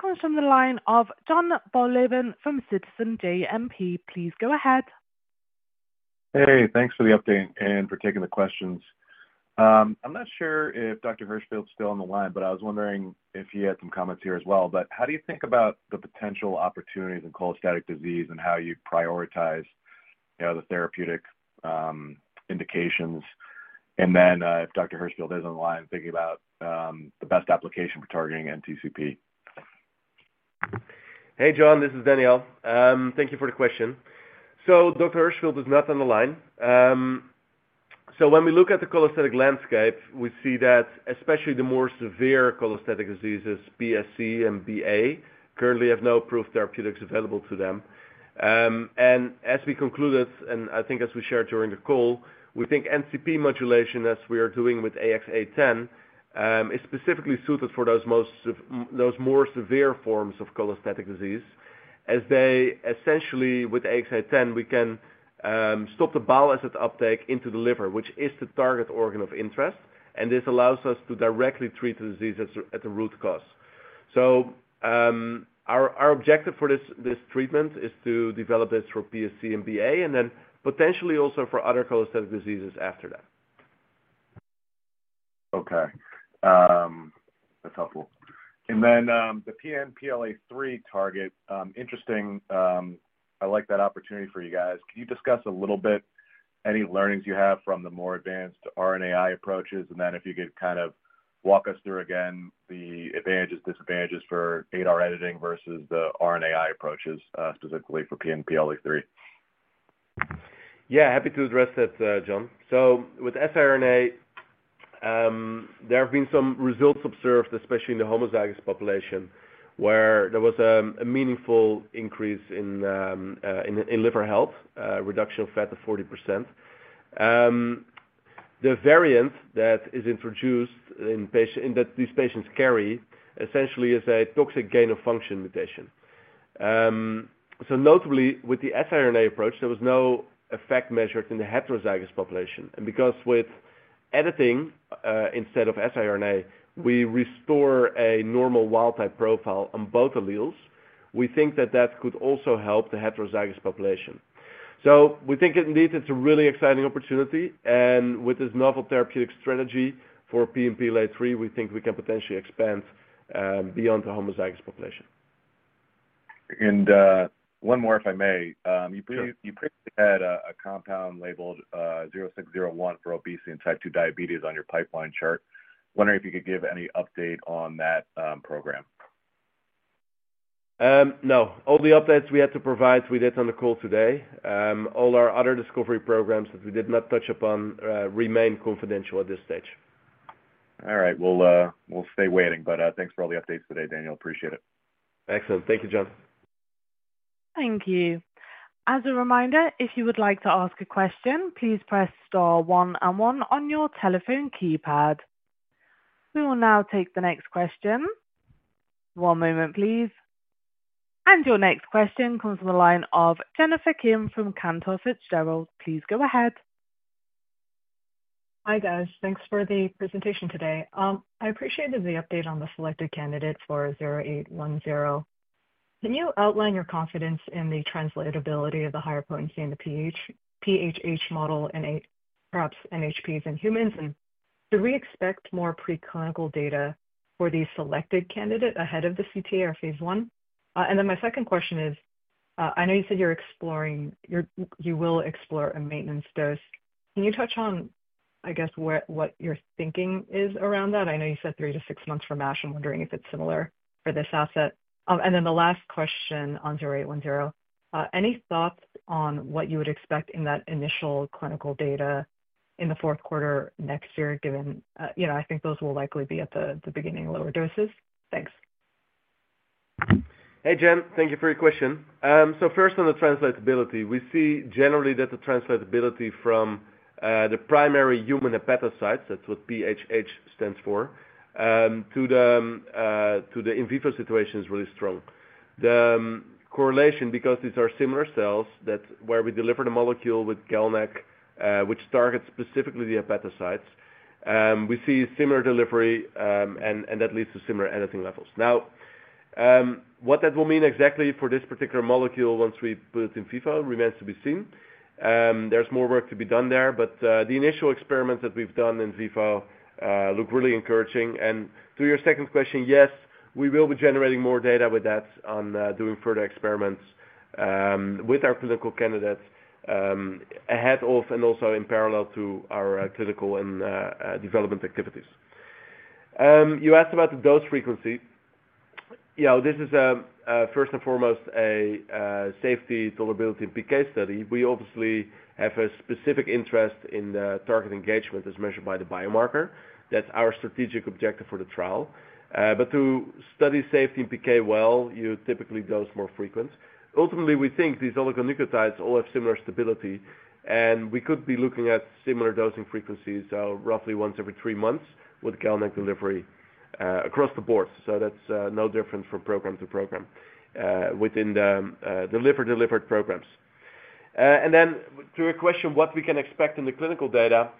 comes from the line of Jon Wolleben from Citizens JMP. Please go ahead. Hey, thanks for the update and for taking the questions. I'm not sure if Dr. Hirschfield's still on the line, but I was wondering if he had some comments here as well. But how do you think about the potential opportunities in cholestatic disease and how you prioritize the therapeutic indications? And then if Dr. Hirschfield is on the line, thinking about the best application for targeting NTCP. Hey, Jon, this is Daniel. Thank you for the question. So Dr. Hirschfield is not on the line. So when we look at the cholestatic landscape, we see that especially the more severe cholestatic diseases, PSC and BA, currently have no approved therapeutics available to them. And as we concluded, and I think as we shared during the call, we think NTCP modulation, as we are doing with AX-0810, is specifically suited for those more severe forms of cholestatic disease, as they essentially, with AX-0810, we can stop the bile acid uptake into the liver, which is the target organ of interest. And this allows us to directly treat the disease at the root cause. So our objective for this treatment is to develop this for PSC and BA, and then potentially also for other cholestatic diseases after that. Okay. That's helpful. And then the PNPLA3 target, interesting. I like that opportunity for you guys. Can you discuss a little bit any learnings you have from the more advanced RNAi approaches? And then if you could kind of walk us through again the advantages, disadvantages for RNA editing versus the RNAi approaches, specifically for PNPLA3. Yeah, happy to address that, Jon. So with siRNA, there have been some results observed, especially in the homozygous population, where there was a meaningful increase in liver health, reduction of fat to 40%. The variant that is introduced in these patients carry essentially is a toxic gain-of-function mutation. So notably, with the siRNA approach, there was no effect measured in the heterozygous population. And because with editing instead of siRNA, we restore a normal wild-type profile on both alleles, we think that that could also help the heterozygous population. So we think indeed it's a really exciting opportunity. With this novel therapeutic strategy for PNPLA3, we think we can potentially expand beyond the homozygous population. One more, if I may. You previously had a compound labeled 0601 for obesity and type 2 diabetes on your pipeline chart. Wondering if you could give any update on that program. No. All the updates we had to provide, we did on the call today. All our other discovery programs that we did not touch upon remain confidential at this stage. All right. We'll stay waiting. Thanks for all the updates today, Daniel. Appreciate it. Excellent. Thank you, Jon. Thank you. As a reminder, if you would like to ask a question, please press star one and one on your telephone keypad. We will now take the next question. One moment, please. Your next question comes from the line of Jennifer Kim from Cantor Fitzgerald. Please go ahead. Hi, guys. Thanks for the presentation today. I appreciated the update on the selected candidate for 0810. Can you outline your confidence in the translatability of the higher potency in the PHH model and perhaps NHPs in humans? And do we expect more preclinical data for the selected candidate ahead of the CTA or phase I? And then my second question is, I know you said you will explore a maintenance dose. Can you touch on, I guess, what your thinking is around that? I know you said three to six months for MASH. I'm wondering if it's similar for this asset. And then the last question on 0810. Any thoughts on what you would expect in that initial clinical data in the fourth quarter next year, given I think those will likely be at the beginning lower doses? Thanks. Hey, Jen. Thank you for your question. So first, on the translatability, we see generally that the translatability from the primary human hepatocytes, that's what PHH stands for, to the in vivo situation is really strong. The correlation, because these are similar cells, that's where we deliver the molecule with GalNAc, which targets specifically the hepatocytes, we see similar delivery, and that leads to similar editing levels. Now, what that will mean exactly for this particular molecule once we put it in vivo remains to be seen. There's more work to be done there, but the initial experiments that we've done in vivo look really encouraging. And to your second question, yes, we will be generating more data with that on doing further experiments with our clinical candidates ahead of and also in parallel to our clinical and development activities. You asked about the dose frequency. This is, first and foremost, a safety tolerability and PK study. We obviously have a specific interest in target engagement as measured by the biomarker. That's our strategic objective for the trial, but to study safety and PK well, you typically dose more frequent. Ultimately, we think these oligonucleotides all have similar stability, and we could be looking at similar dosing frequencies, roughly once every three months with GalNAc delivery across the board. So that's no different from program to program within the delivered programs, and then to your question, what we can expect in the clinical data,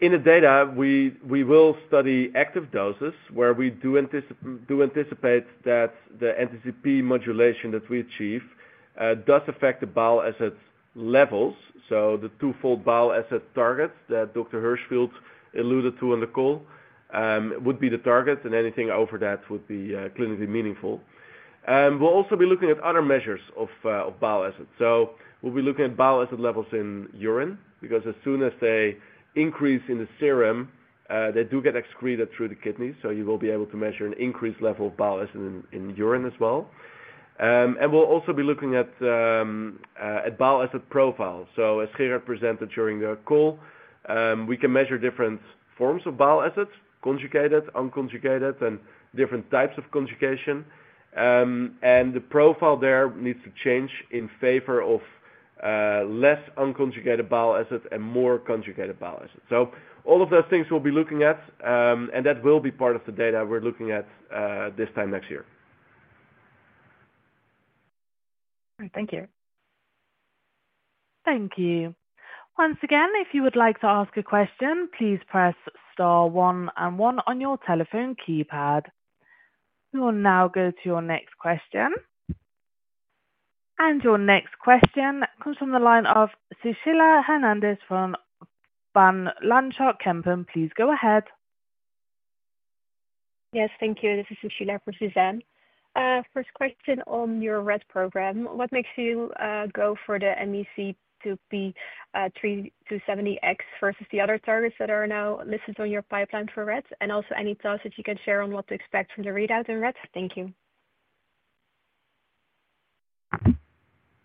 in the data, we will study active doses where we do anticipate that the NTCP modulation that we achieve does affect the bile acid levels. So the twofold bile acid target that Dr. Hirschfield alluded to on the call would be the target, and anything over that would be clinically meaningful. We'll also be looking at other measures of bile acid. So we'll be looking at bile acid levels in urine because as soon as they increase in the serum, they do get excreted through the kidneys. So you will be able to measure an increased level of bile acid in urine as well. And we'll also be looking at bile acid profile. So as Gerard presented during the call, we can measure different forms of bile acid, conjugated, unconjugated, and different types of conjugation. And the profile there needs to change in favor of less unconjugated bile acid and more conjugated bile acid. So all of those things we'll be looking at, and that will be part of the data we're looking at this time next year. Thank you. Thank you. Once again, if you would like to ask a question, please press star one and one on your telephone keypad. We will now go to your next question. Your next question comes from the line of Sushila Hernandez from Van Lanschot Kempen. Please go ahead. Yes, thank you. This is Sushila from Van Lanschot Kempen. First question on your Rett program. What makes you go for the MECP2 R270X versus the other targets that are now listed on your pipeline for Rett? And also any thoughts that you can share on what to expect from the readout in Rett? Thank you.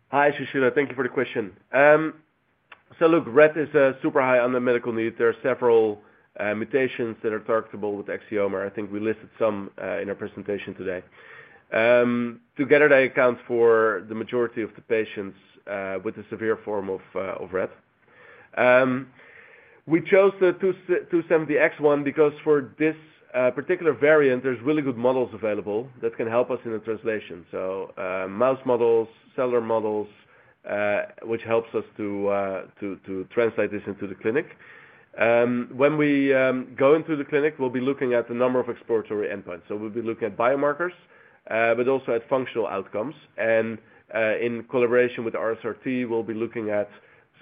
Hi, Sushila. Thank you for the question. Look, Rett is super high on the medical need. There are several mutations that are targetable with Axiomer. I think we listed some in our presentation today. Together, they account for the majority of the patients with the severe form of Rett. We chose the 270X one because for this particular variant, there's really good models available that can help us in the translation. So mouse models, cellular models, which helps us to translate this into the clinic. When we go into the clinic, we'll be looking at the number of exploratory endpoints. So we'll be looking at biomarkers, but also at functional outcomes. And in collaboration with RSRT, we'll be looking at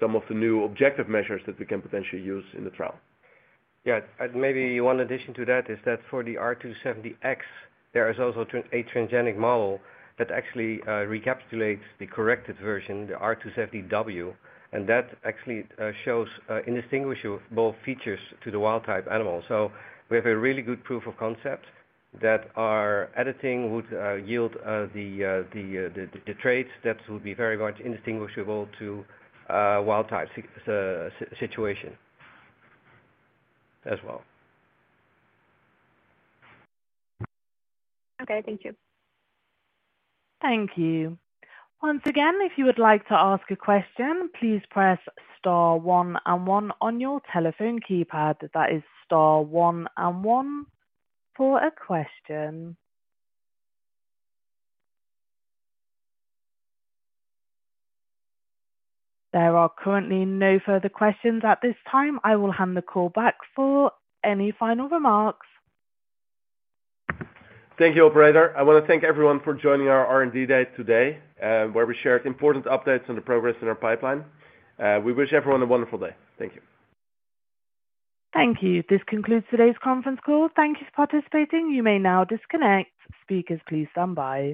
some of the new objective measures that we can potentially use in the trial. Yeah. Maybe one addition to that is that for the R270X, there is also a transgenic model that actually recapitulates the corrected version, the R270W. And that actually shows indistinguishable features to the wild-type animal. So we have a really good proof of concept that our editing would yield the traits that would be very much indistinguishable to wild-type situation as well. Okay. Thank you. Thank you. Once again, if you would like to ask a question, please press star one and one on your telephone keypad. That is star one and one for a question. There are currently no further questions at this time. I will hand the call back for any final remarks. Thank you, Operator. I want to thank everyone for joining our R&D Day today, where we shared important updates on the progress in our pipeline. We wish everyone a wonderful day. Thank you. Thank you. This concludes today's conference call. Thank you for participating. You may now disconnect. Speakers please stand by.